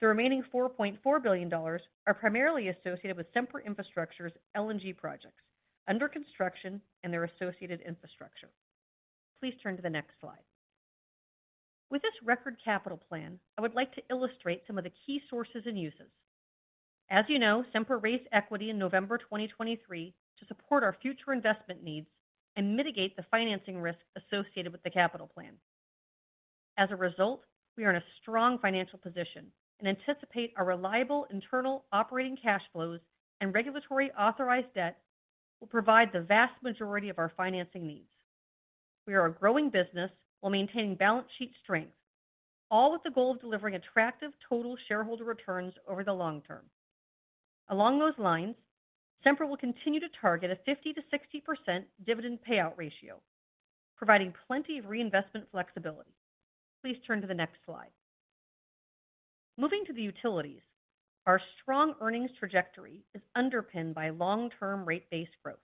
The remaining $4.4 billion are primarily associated with Sempra Infrastructure's LNG projects under construction and their associated infrastructure. Please turn to the next slide. With this record capital plan, I would like to illustrate some of the key sources and uses. As you know, Sempra raised equity in November 2023 to support our future investment needs and mitigate the financing risk associated with the capital plan. As a result, we are in a strong financial position and anticipate our reliable internal operating cash flows and regulatory authorized debt will provide the vast majority of our financing needs. We are a growing business while maintaining balance sheet strength, all with the goal of delivering attractive total shareholder returns over the long term. Along those lines, Sempra will continue to target a 50%-60% dividend payout ratio, providing plenty of reinvestment flexibility. Please turn to the next slide. Moving to the utilities, our strong earnings trajectory is underpinned by long-term rate-based growth.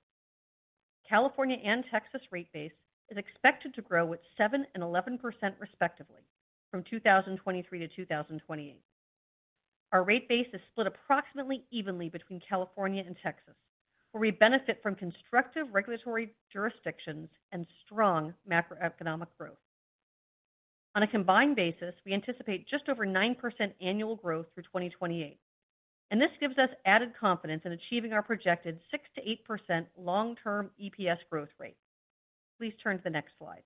California and Texas rate base is expected to grow at 7% and 11% respectively from 2023 to 2028. Our rate base is split approximately evenly between California and Texas, where we benefit from constructive regulatory jurisdictions and strong macroeconomic growth. On a combined basis, we anticipate just over 9% annual growth through 2028, and this gives us added confidence in achieving our projected 6%-8% long-term EPS growth rate. Please turn to the next slide.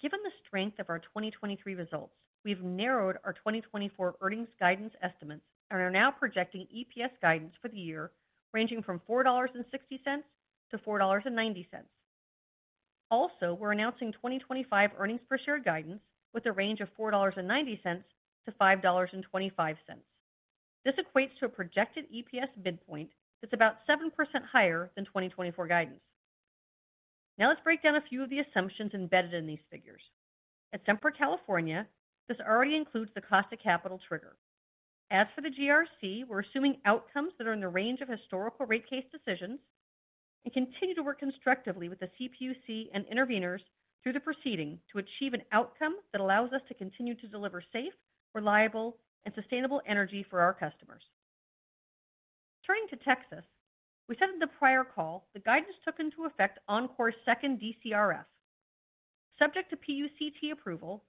Given the strength of our 2023 results, we've narrowed our 2024 earnings guidance estimates and are now projecting EPS guidance for the year, ranging from $4.60-$4.90. Also, we're announcing 2025 earnings per share guidance with a range of $4.90-$5.25. This equates to a projected EPS midpoint that's about 7% higher than 2024 guidance. Now let's break down a few of the assumptions embedded in these figures. At Sempra California, this already includes the cost of capital trigger. As for the GRC, we're assuming outcomes that are in the range of historical rate case decisions and continue to work constructively with the CPUC and interveners through the proceeding to achieve an outcome that allows us to continue to deliver safe, reliable, and sustainable energy for our customers. Turning to Texas, we said in the prior call that guidance took into effect Oncor's second DCRF. Subject to PUCT approval,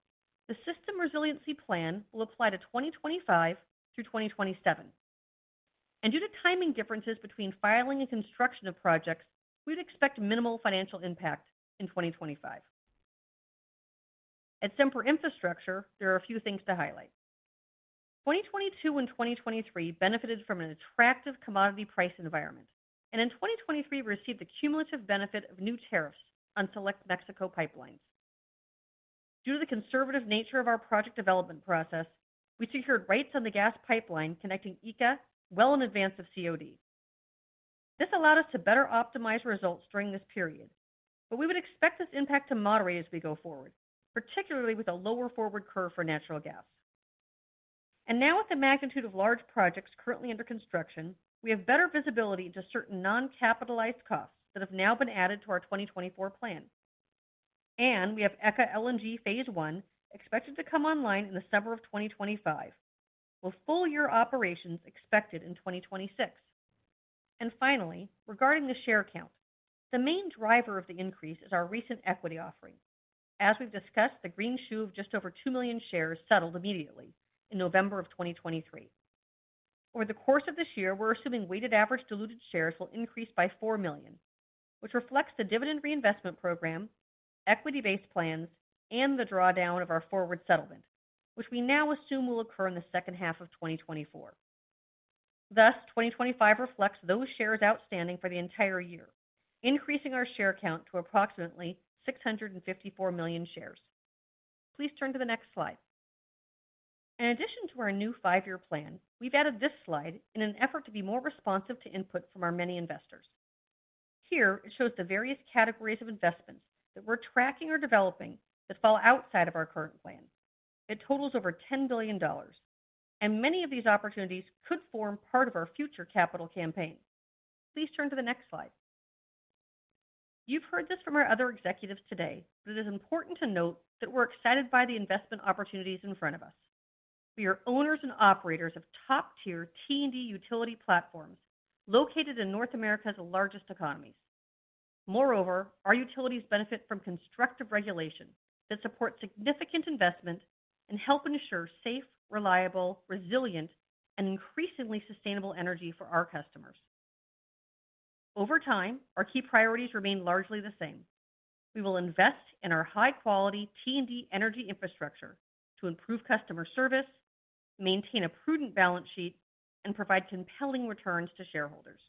the system resiliency plan will apply to 2025 through 2027, and due to timing differences between filing and construction of projects, we'd expect minimal financial impact in 2025. At Sempra Infrastructure, there are a few things to highlight. 2022 and 2023 benefited from an attractive commodity price environment, and in 2023, we received the cumulative benefit of new tariffs on select Mexico pipelines. Due to the conservative nature of our project development process, we secured rights on the gas pipeline connecting ECA well in advance of COD. This allowed us to better optimize results during this period, but we would expect this impact to moderate as we go forward, particularly with a lower forward curve for natural gas. And now, with the magnitude of large projects currently under construction, we have better visibility into certain non-capitalized costs that have now been added to our 2024 plan. And we have ECA LNG Phase One expected to come online in the summer of 2025, with full year operations expected in 2026. And finally, regarding the share count, the main driver of the increase is our recent equity offering. As we've discussed, the greenshoe of just over 2 million shares settled immediately in November 2023. Over the course of this year, we're assuming weighted average diluted shares will increase by 4 million, which reflects the dividend reinvestment program, equity-based plans, and the drawdown of our forward settlement, which we now assume will occur in the second half of 2024. Thus, 2025 reflects those shares outstanding for the entire year, increasing our share count to approximately 654 million shares. Please turn to the next slide. In addition to our new 5-year plan, we've added this slide in an effort to be more responsive to input from our many investors. Here, it shows the various categories of investments that we're tracking or developing that fall outside of our current plan. It totals over $10 billion, and many of these opportunities could form part of our future capital campaign. Please turn to the next slide. You've heard this from our other executives today, but it is important to note that we're excited by the investment opportunities in front of us. We are owners and operators of top-tier T&D utility platforms located in North America's largest economies. Moreover, our utilities benefit from constructive regulation that support significant investment and help ensure safe, reliable, resilient, and increasingly sustainable energy for our customers. Over time, our key priorities remain largely the same. We will invest in our high-quality T&D energy infrastructure to improve customer service, maintain a prudent balance sheet, and provide compelling returns to shareholders.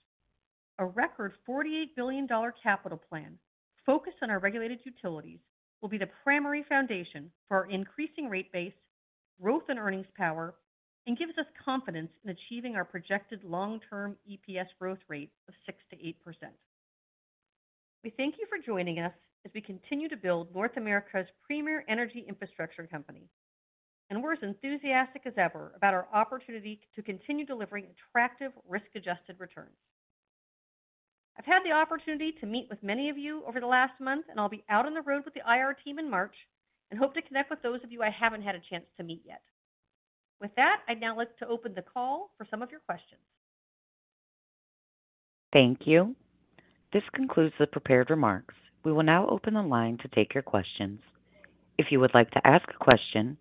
A record $48 billion capital plan focused on our regulated utilities will be the primary foundation for our increasing rate base, growth and earnings power, and gives us confidence in achieving our projected long-term EPS growth rate of 6%-8%. We thank you for joining us as we continue to build North America's premier energy infrastructure company, and we're as enthusiastic as ever about our opportunity to continue delivering attractive, risk-adjusted returns. I've had the opportunity to meet with many of you over the last month, and I'll be out on the road with the IR team in March and hope to connect with those of you I haven't had a chance to meet yet. With that, I'd now like to open the call for some of your questions. Thank you. This concludes the prepared remarks. We will now open the line to take your questions. If you would like to ask a question,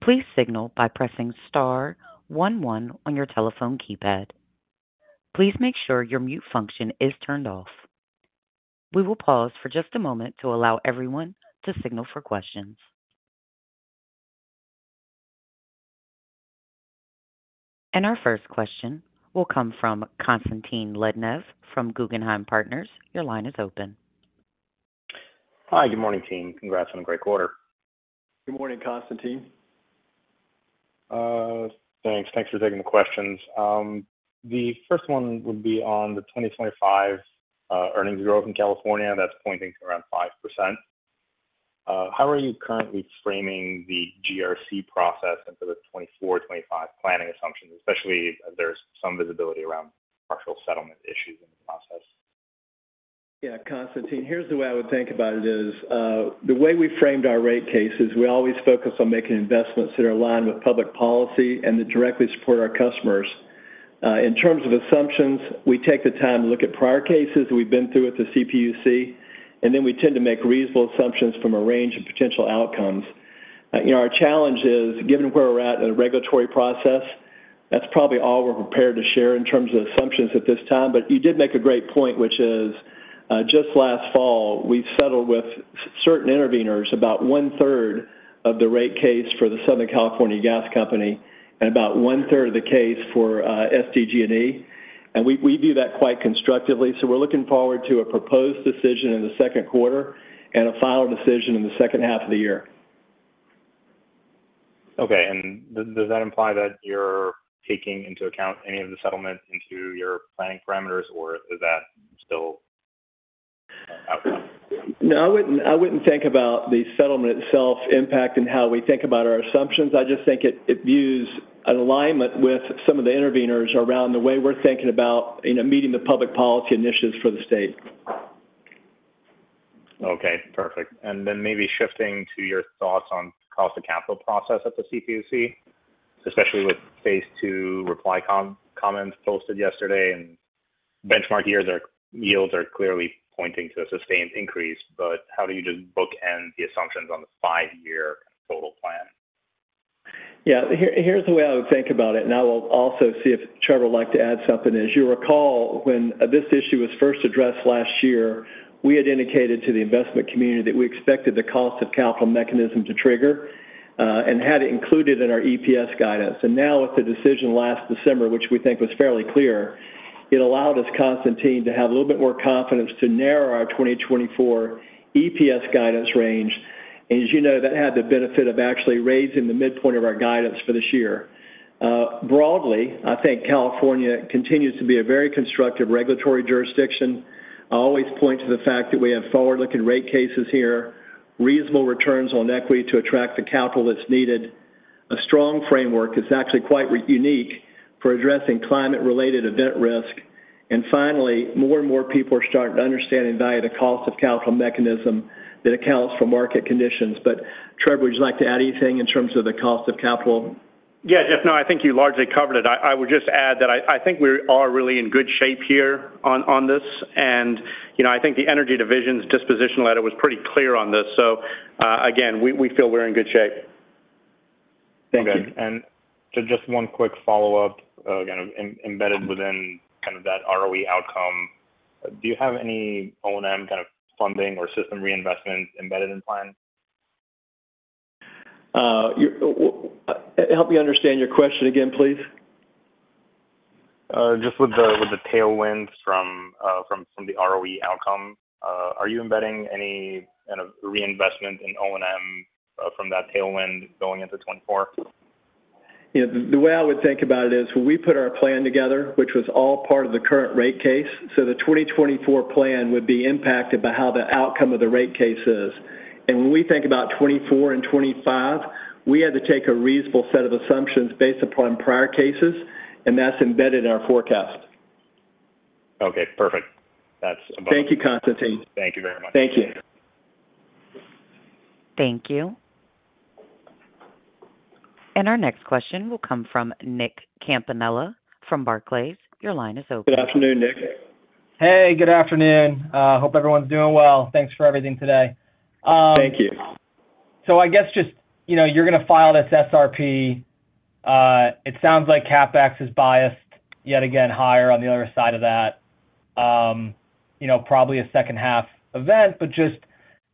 please signal by pressing star one one on your telephone keypad. Please make sure your mute function is turned off. We will pause for just a moment to allow everyone to signal for questions. Our first question will come from Konstantin Lednev from Guggenheim Partners. Your line is open. Hi. Good morning, team. Congrats on a great quarter. Good morning, Konstantin. Thanks. Thanks for taking the questions. The first one would be on the 2025 earnings growth in California. That's pointing to around 5%.... how are you currently framing the GRC process into the 2024, 2025 planning assumptions, especially there's some visibility around partial settlement issues in the process? Yeah, Konstantin, here's the way I would think about it is, the way we framed our rate cases, we always focus on making investments that are aligned with public policy and that directly support our customers. In terms of assumptions, we take the time to look at prior cases we've been through at the CPUC, and then we tend to make reasonable assumptions from a range of potential outcomes. You know, our challenge is, given where we're at in the regulatory process, that's probably all we're prepared to share in terms of assumptions at this time. But you did make a great point, which is, just last fall, we settled with certain interveners, about one-third of the rate case for the Southern California Gas Company and about one-third of the case for SDG&E. And we view that quite constructively. We're looking forward to a proposed decision in the second quarter and a final decision in the second half of the year. Okay. And does that imply that you're taking into account any of the settlement into your planning parameters, or is that still outcome? No, I wouldn't, I wouldn't think about the settlement itself impacting how we think about our assumptions. I just think it, it views an alignment with some of the interveners around the way we're thinking about, you know, meeting the public policy initiatives for the state. Okay, perfect. And then maybe shifting to your thoughts on cost of capital process at the CPUC, especially with phase two reply comments posted yesterday, and benchmark years yields are clearly pointing to a sustained increase, but how do you just bookend the assumptions on the five-year total plan? Yeah, here, here's the way I would think about it, and I will also see if Trevor would like to add something. As you recall, when this issue was first addressed last year, we had indicated to the investment community that we expected the cost of capital mechanism to trigger and had it included in our EPS guidance. And now, with the decision last December, which we think was fairly clear, it allowed us, Konstantin, to have a little bit more confidence to narrow our 2024 EPS guidance range. And as you know, that had the benefit of actually raising the midpoint of our guidance for this year. Broadly, I think California continues to be a very constructive regulatory jurisdiction. I always point to the fact that we have forward-looking rate cases here, reasonable returns on equity to attract the capital that's needed. A strong framework is actually quite unique for addressing climate-related event risk. And finally, more and more people are starting to understand and value the cost of capital mechanism that accounts for market conditions. But Trevor, would you like to add anything in terms of the cost of capital? Yeah, Jeff, no, I think you largely covered it. I would just add that I think we are really in good shape here on this. And, you know, I think the Energy Division's disposition letter was pretty clear on this. So, again, we feel we're in good shape. Thank you. Okay. Just one quick follow-up. Again, embedded within kind of that ROE outcome, do you have any O&M kind of funding or system reinvestment embedded in plan? Help me understand your question again, please. Just with the tailwinds from the ROE outcome, are you embedding any kind of reinvestment in O&M from that tailwind going into 2024? Yeah, the way I would think about it is, when we put our plan together, which was all part of the current rate case, so the 2024 plan would be impacted by how the outcome of the rate case is. And when we think about 2024 and 2025, we had to take a reasonable set of assumptions based upon prior cases, and that's embedded in our forecast. Okay, perfect. That's about- Thank you, Konstantin. Thank you very much. Thank you. Thank you. And our next question will come from Nick Campanella from Barclays. Your line is open. Good afternoon, Nick. Hey, good afternoon. Hope everyone's doing well. Thanks for everything today. Thank you. So I guess just, you know, you're gonna file this SRP. It sounds like CapEx is biased yet again, higher on the other side of that, you know, probably a second half event. But just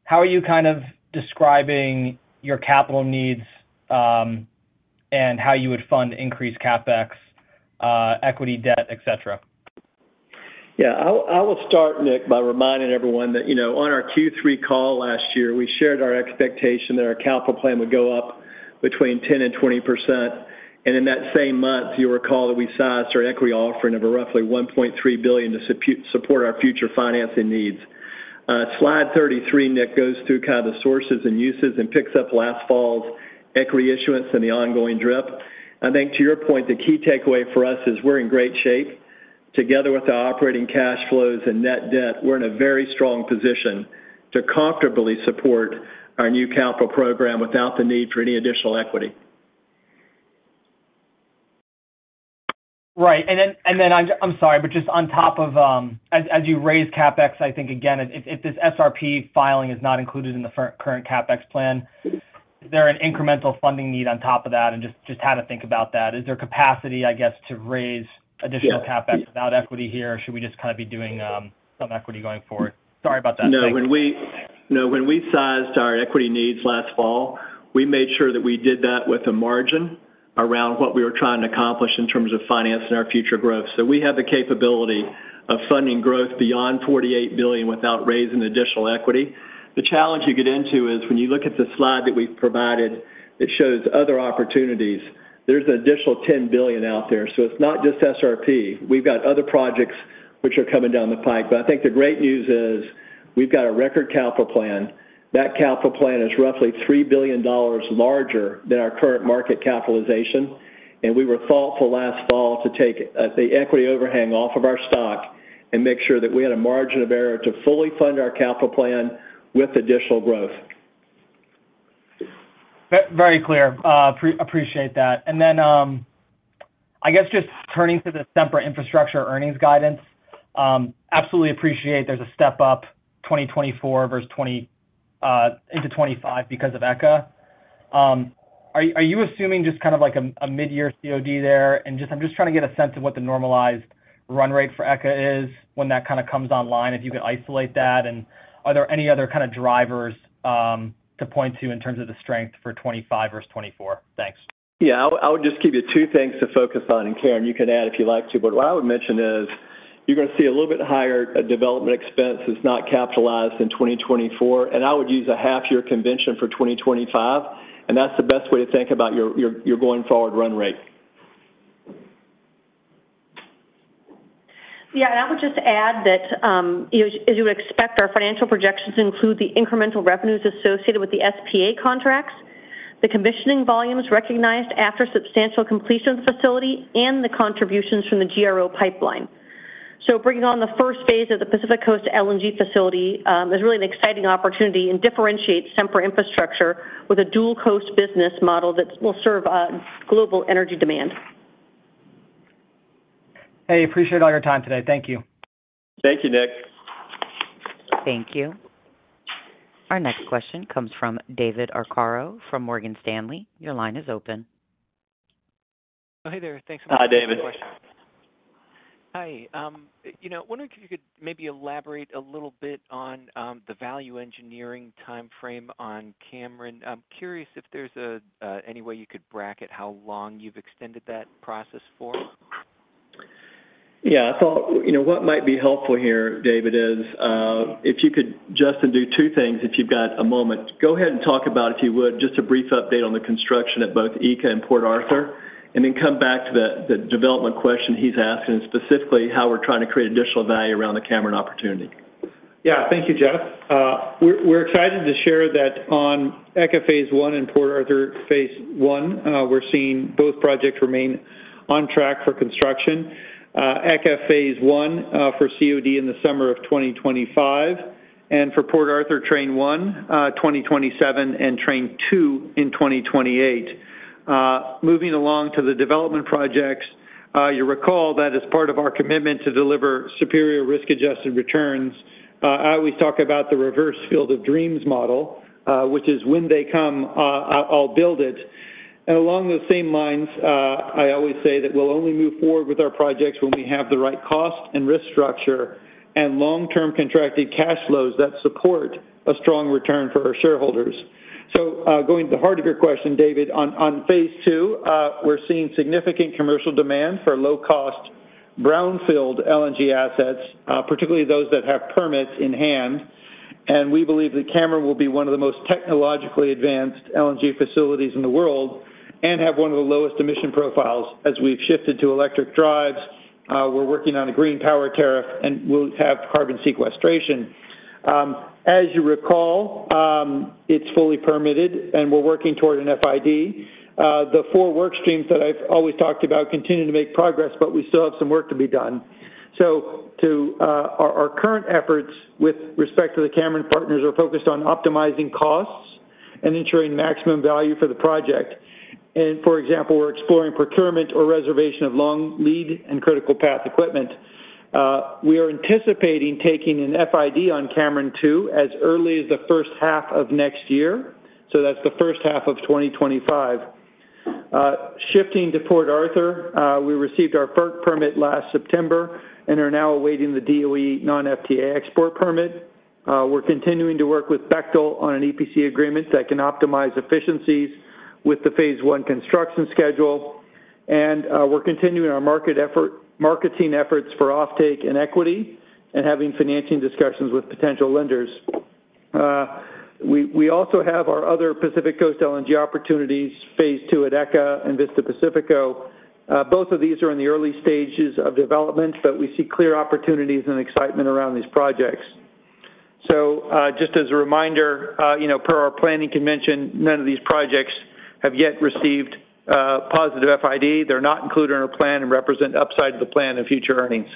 how are you kind of describing your capital needs, and how you would fund increased CapEx, equity, debt, et cetera? Yeah, I'll, I will start, Nick, by reminding everyone that, you know, on our Q3 call last year, we shared our expectation that our capital plan would go up between 10%-20%. And in that same month, you'll recall that we sized our equity offering of a roughly $1.3 billion to support our future financing needs. Slide 33, Nick, goes through kind of the sources and uses and picks up last fall's equity issuance and the ongoing DRIP. I think to your point, the key takeaway for us is we're in great shape. Together with our operating cash flows and net debt, we're in a very strong position to comfortably support our new capital plan without the need for any additional equity. Right. And then, I'm sorry, but just on top of... As you raise CapEx, I think again, if this SRP filing is not included in the current CapEx plan, is there an incremental funding need on top of that? And just how to think about that. Is there capacity, I guess, to raise additional- Yeah... CapEx without equity here? Or should we just kind of be doing some equity going forward? Sorry about that. No, when we sized our equity needs last fall, we made sure that we did that with a margin around what we were trying to accomplish in terms of financing our future growth. So we have the capability of funding growth beyond $48 billion without raising additional equity. The challenge you get into is, when you look at the slide that we've provided, it shows other opportunities. There's an additional $10 billion out there, so it's not just SRP. We've got other projects which are coming down the pipe. But I think the great news is, we've got a record capital plan. That capital plan is roughly $3 billion larger than our current market capitalization, and we were thoughtful last fall to take the equity overhang off of our stock and make sure that we had a margin of error to fully fund our capital plan with additional growth. Very clear. Appreciate that. And then, I guess, just turning to the Sempra Infrastructure earnings guidance, absolutely appreciate there's a step up, 2024 versus 2024 into 2025 because of ECA. Are you assuming just kind of like a midyear COD there? And just, I'm just trying to get a sense of what the normalized run rate for ECA is when that kind of comes online, if you could isolate that, and are there any other kind of drivers to point to in terms of the strength for 2025 versus 2024? Thanks. Yeah, I would, I would just give you two things to focus on, and Karen, you can add if you'd like to. But what I would mention is, you're gonna see a little bit higher development expense that's not capitalized in 2024, and I would use a half year convention for 2025, and that's the best way to think about your going forward run rate. Yeah, and I would just add that, you know, as you would expect, our financial projections include the incremental revenues associated with the SPA contracts, the commissioning volumes recognized after substantial completion of the facility, and the contributions from the GRO Pipeline. So bringing on the first phase of the Pacific Coast LNG facility is really an exciting opportunity and differentiates Sempra Infrastructure with a dual-coast business model that will serve global energy demand. Hey, appreciate all your time today. Thank you. Thank you, Nick. Thank you. Our next question comes from David Arcaro from Morgan Stanley. Your line is open. Oh, hey there. Thanks so much for taking my question. Hi, David. Hi. You know, wondering if you could maybe elaborate a little bit on the value engineering timeframe on Cameron. I'm curious if there's any way you could bracket how long you've extended that process for? Yeah, I thought, you know, what might be helpful here, David, is if you could, Justin, do two things, if you've got a moment. Go ahead and talk about, if you would, just a brief update on the construction at both ECA and Port Arthur, and then come back to the development question he's asking, specifically, how we're trying to create additional value around the Cameron opportunity. Yeah. Thank you, Jeff. We're, we're excited to share that on ECA Phase One and Port Arthur Phase One, we're seeing both projects remain on track for construction. ECA Phase One, for COD in the summer of 2025, and for Port Arthur Train One, 2027, and Train Two in 2028. Moving along to the development projects, you recall that as part of our commitment to deliver superior risk-adjusted returns, I always talk about the reverse Field of Dreams model, which is when they come, I'll, I'll build it. And along those same lines, I always say that we'll only move forward with our projects when we have the right cost and risk structure and long-term contracted cash flows that support a strong return for our shareholders. So, going to the heart of your question, David, on Phase Two, we're seeing significant commercial demand for low-cost brownfield LNG assets, particularly those that have permits in hand. We believe that Cameron will be one of the most technologically advanced LNG facilities in the world and have one of the lowest emission profiles. As we've shifted to electric drives, we're working on a green power tariff, and we'll have carbon sequestration. As you recall, it's fully permitted, and we're working toward an FID. The four work streams that I've always talked about continue to make progress, but we still have some work to be done. So, to our current efforts with respect to the Cameron partners are focused on optimizing costs and ensuring maximum value for the project. For example, we're exploring procurement or reservation of long lead and critical path equipment. We are anticipating taking an FID on Cameron Two as early as the first half of next year, so that's the first half of 2025. Shifting to Port Arthur, we received our FERC permit last September and are now awaiting the DOE non-FTA export permit. We're continuing to work with Bechtel on an EPC agreement that can optimize efficiencies with the Phase One construction schedule. And, we're continuing our marketing efforts for offtake and equity and having financing discussions with potential lenders. We also have our other Pacific Coast LNG opportunities, Phase Two at ECA and Vista Pacífico. Both of these are in the early stages of development, but we see clear opportunities and excitement around these projects. So, just as a reminder, you know, per our planning convention, none of these projects have yet received positive FID. They're not included in our plan and represent upside of the plan in future earnings.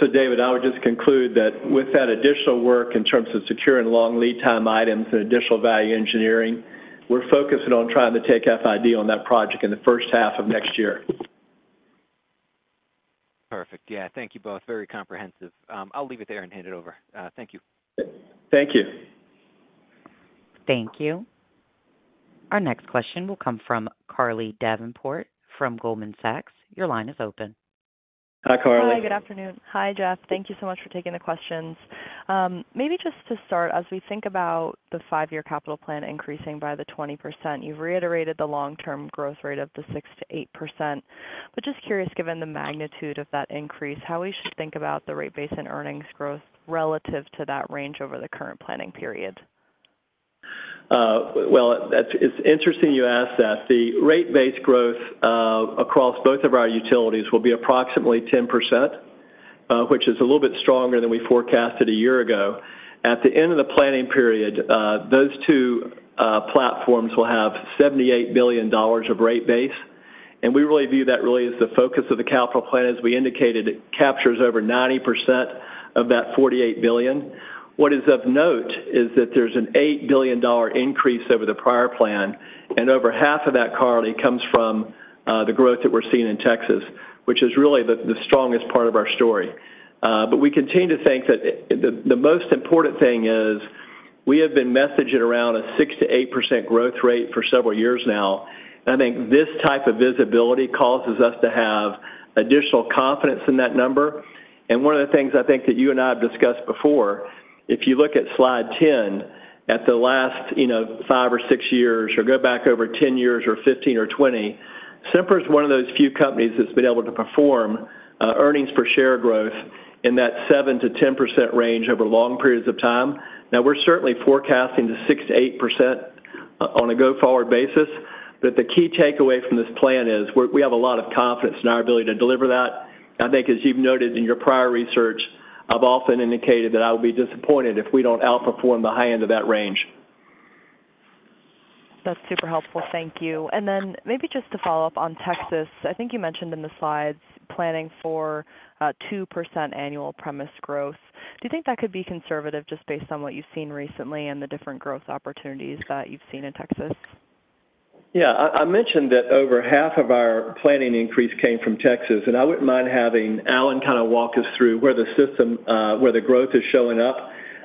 So, David, I would just conclude that with that additional work in terms of securing long lead time items and additional value engineering, we're focusing on trying to take FID on that project in the first half of next year. Perfect. Yeah, thank you both. Very comprehensive. I'll leave it there and hand it over. Thank you. Thank you. Thank you. Our next question will come from Carly Davenport from Goldman Sachs. Your line is open. Hi, Carly. Hi, good afternoon. Hi, Jeff. Thank you so much for taking the questions. Maybe just to start, as we think about the five-year capital plan increasing by the 20%, you've reiterated the long-term growth rate of the 6%-8%. But just curious, given the magnitude of that increase, how we should think about the rate base and earnings growth relative to that range over the current planning period? ... well, that's interesting you ask that. The rate base growth across both of our utilities will be approximately 10%, which is a little bit stronger than we forecasted a year ago. At the end of the planning period, those two platforms will have $78 billion of rate base, and we really view that really as the focus of the capital plan. As we indicated, it captures over 90% of that $48 billion. What is of note is that there's an $8 billion increase over the prior plan, and over half of that, Carly, comes from the growth that we're seeing in Texas, which is really the strongest part of our story. But we continue to think that the most important thing is we have been messaging around a 6%-8% growth rate for several years now. I think this type of visibility causes us to have additional confidence in that number. And one of the things I think that you and I have discussed before, if you look at slide 10, at the last, you know, 5 or 6 years, or go back over 10 years or 15 or 20, Sempra is one of those few companies that's been able to perform earnings per share growth in that 7%-10% range over long periods of time. Now, we're certainly forecasting the 6%-8% on a go-forward basis, but the key takeaway from this plan is we have a lot of confidence in our ability to deliver that. I think, as you've noted in your prior research, I've often indicated that I will be disappointed if we don't outperform the high end of that range. That's super helpful. Thank you. And then maybe just to follow up on Texas, I think you mentioned in the slides, planning for 2% annual premise growth. Do you think that could be conservative, just based on what you've seen recently and the different growth opportunities that you've seen in Texas? Yeah, I, I mentioned that over half of our planning increase came from Texas, and I wouldn't mind having Allen kind of walk us through where the system, where the growth is showing up.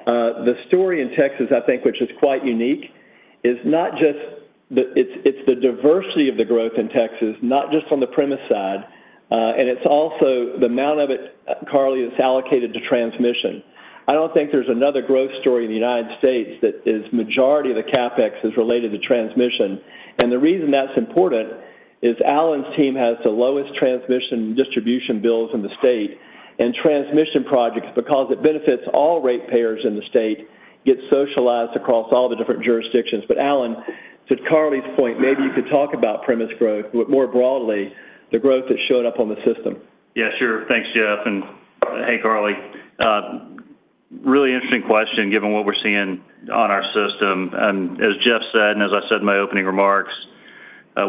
The story in Texas, I think, which is quite unique, is not just the—it's, it's the diversity of the growth in Texas, not just on the premise side, and it's also the amount of it, Carly, that's allocated to transmission. I don't think there's another growth story in the United States that is majority of the CapEx is related to transmission. And the reason that's important is Allen's team has the lowest transmission distribution bills in the state, and transmission projects, because it benefits all rate payers in the state, gets socialized across all the different jurisdictions. But, Allen, to Carly's point, maybe you could talk about premise growth, but more broadly, the growth that showed up on the system. Yeah, sure. Thanks, Jeff, and hey, Carly. Really interesting question, given what we're seeing on our system. And as Jeff said, and as I said in my opening remarks,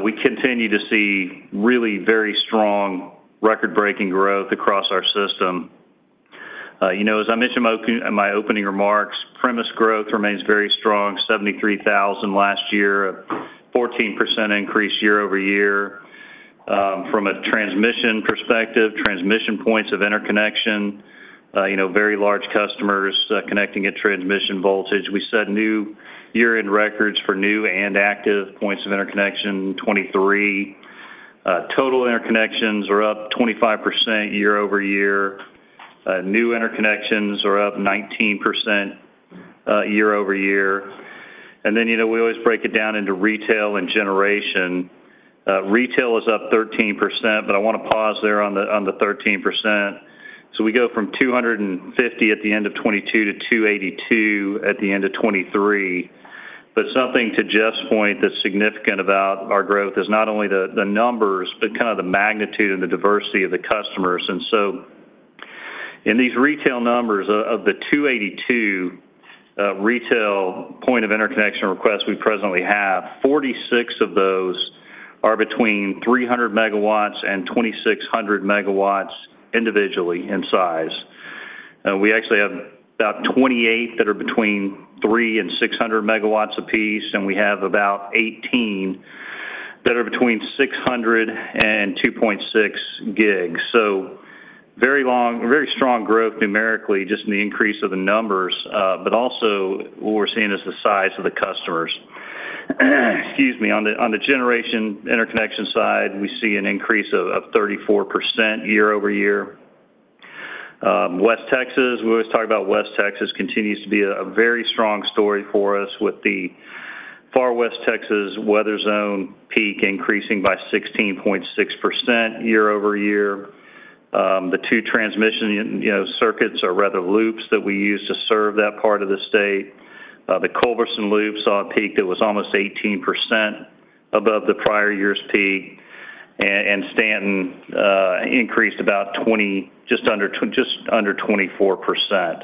we continue to see really very strong record-breaking growth across our system. You know, as I mentioned in my opening remarks, premise growth remains very strong, 73,000 last year, a 14% increase year-over-year. From a transmission perspective, transmission points of interconnection, you know, very large customers connecting at transmission voltage. We set new year-end records for new and active points of interconnection, 23. Total interconnections are up 25% year-over-year. New interconnections are up 19% year-over-year. And then, you know, we always break it down into retail and generation. Retail is up 13%, but I want to pause there on the 13%. So we go from 250 at the end of 2022 to 282 at the end of 2023. But something to Jeff's point that's significant about our growth is not only the numbers, but kind of the magnitude and the diversity of the customers. And so in these retail numbers, of the 282 retail point of interconnection requests we presently have, 46 of those are between 300 megawatts and 2,600 megawatts individually in size. We actually have about 28 that are between 3 and 600 megawatts apiece, and we have about 18 that are between 600 and 2.6 gigs. So very strong growth numerically, just in the increase of the numbers, but also what we're seeing is the size of the customers. Excuse me. On the generation interconnection side, we see an increase of 34% year-over-year. West Texas, we always talk about West Texas, continues to be a very strong story for us with the Far West Texas weather zone peak increasing by 16.6% year-over-year. The two transmission, you know, circuits, or rather loops, that we use to serve that part of the state, the Culberson Loop, saw a peak that was almost 18% above the prior year's peak, and Stanton increased about 20, just under 24%.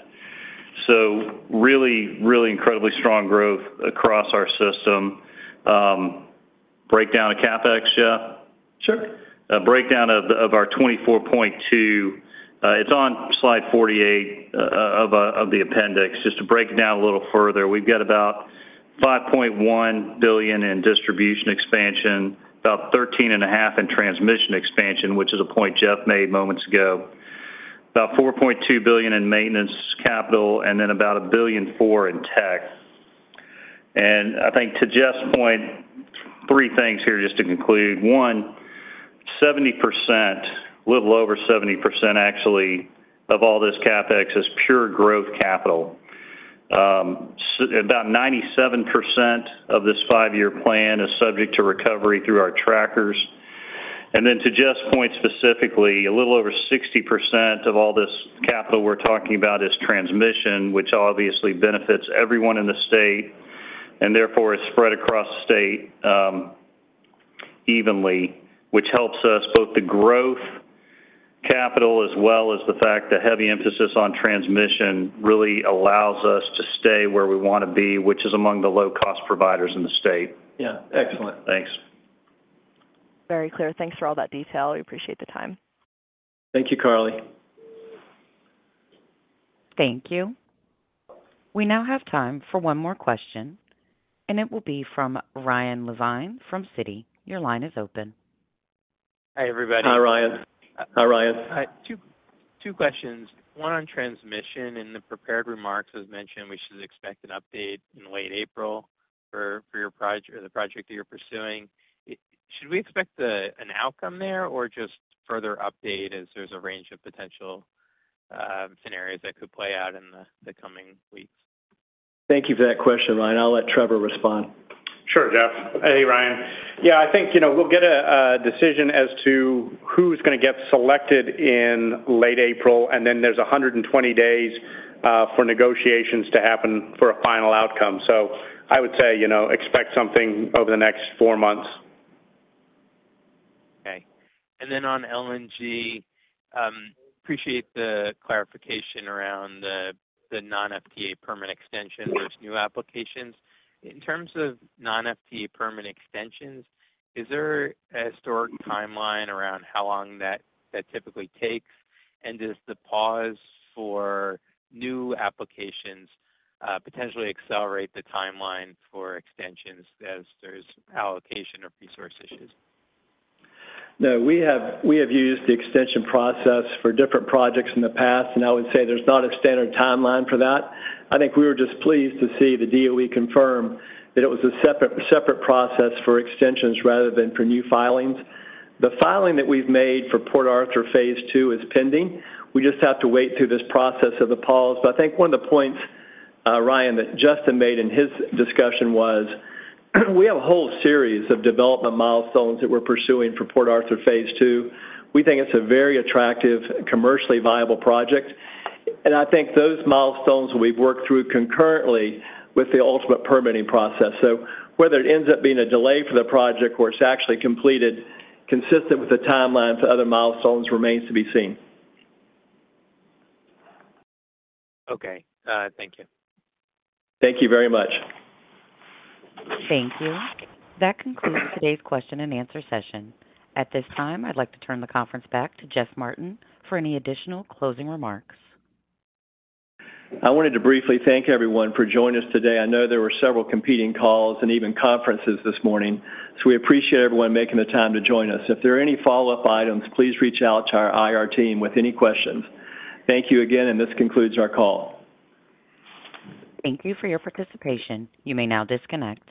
So really, really incredibly strong growth across our system. Breakdown of CapEx, Jeff? Sure. A breakdown of our 24.2. It's on slide 48 of the appendix. Just to break it down a little further, we've got about $5.1 billion in distribution expansion, about $13.5 billion in transmission expansion, which is a point Jeff made moments ago, about $4.2 billion in maintenance capital, and then about $1.4 billion in tech. And I think to Jeff's point, three things here just to conclude: one, 70%, a little over 70% actually, of all this CapEx is pure growth capital. About 97% of this five-year plan is subject to recovery through our trackers. And then to just point specifically, a little over 60% of all this capital we're talking about is transmission, which obviously benefits everyone in the state, and therefore is spread across the state, evenly, which helps us both the growth capital as well as the fact that heavy emphasis on transmission really allows us to stay where we want to be, which is among the low-cost providers in the state. Yeah, excellent. Thanks. Very clear. Thanks for all that detail. We appreciate the time. Thank you, Carly. Thank you. We now have time for one more question, and it will be from Ryan Levine from Citi. Your line is open. Hi, everybody. Hi, Ryan. Hi, Ryan. Hi. Two, two questions. One on transmission. In the prepared remarks, as mentioned, we should expect an update in late April for your project, the project that you're pursuing. Should we expect an outcome there or just further update as there's a range of potential scenarios that could play out in the coming weeks? Thank you for that question, Ryan. I'll let Trevor respond. Sure, Jeff. Hey, Ryan. Yeah, I think, you know, we'll get a decision as to who's gonna get selected in late April, and then there's 120 days for negotiations to happen for a final outcome. So I would say, you know, expect something over the next four months. Okay. And then on LNG, appreciate the clarification around the non-FTA permit extension versus new applications. In terms of non-FTA permit extensions, is there a historic timeline around how long that typically takes? And does the pause for new applications potentially accelerate the timeline for extensions as there's allocation of resource issues? No, we have, we have used the extension process for different projects in the past, and I would say there's not a standard timeline for that. I think we were just pleased to see the DOE confirm that it was a separate, separate process for extensions rather than for new filings. The filing that we've made for Port Arthur Phase 2 is pending. We just have to wait through this process of the pause. But I think one of the points, Ryan, that Justin made in his discussion was, we have a whole series of development milestones that we're pursuing for Port Arthur Phase 2. We think it's a very attractive, commercially viable project, and I think those milestones we've worked through concurrently with the ultimate permitting process. Whether it ends up being a delay for the project or it's actually completed consistent with the timelines, other milestones remains to be seen. Okay, thank you. Thank you very much. Thank you. That concludes today's question and answer session. At this time, I'd like to turn the conference back to Jeff Martin for any additional closing remarks. I wanted to briefly thank everyone for joining us today. I know there were several competing calls and even conferences this morning, so we appreciate everyone making the time to join us. If there are any follow-up items, please reach out to our IR team with any questions. Thank you again, and this concludes our call. Thank you for your participation. You may now disconnect.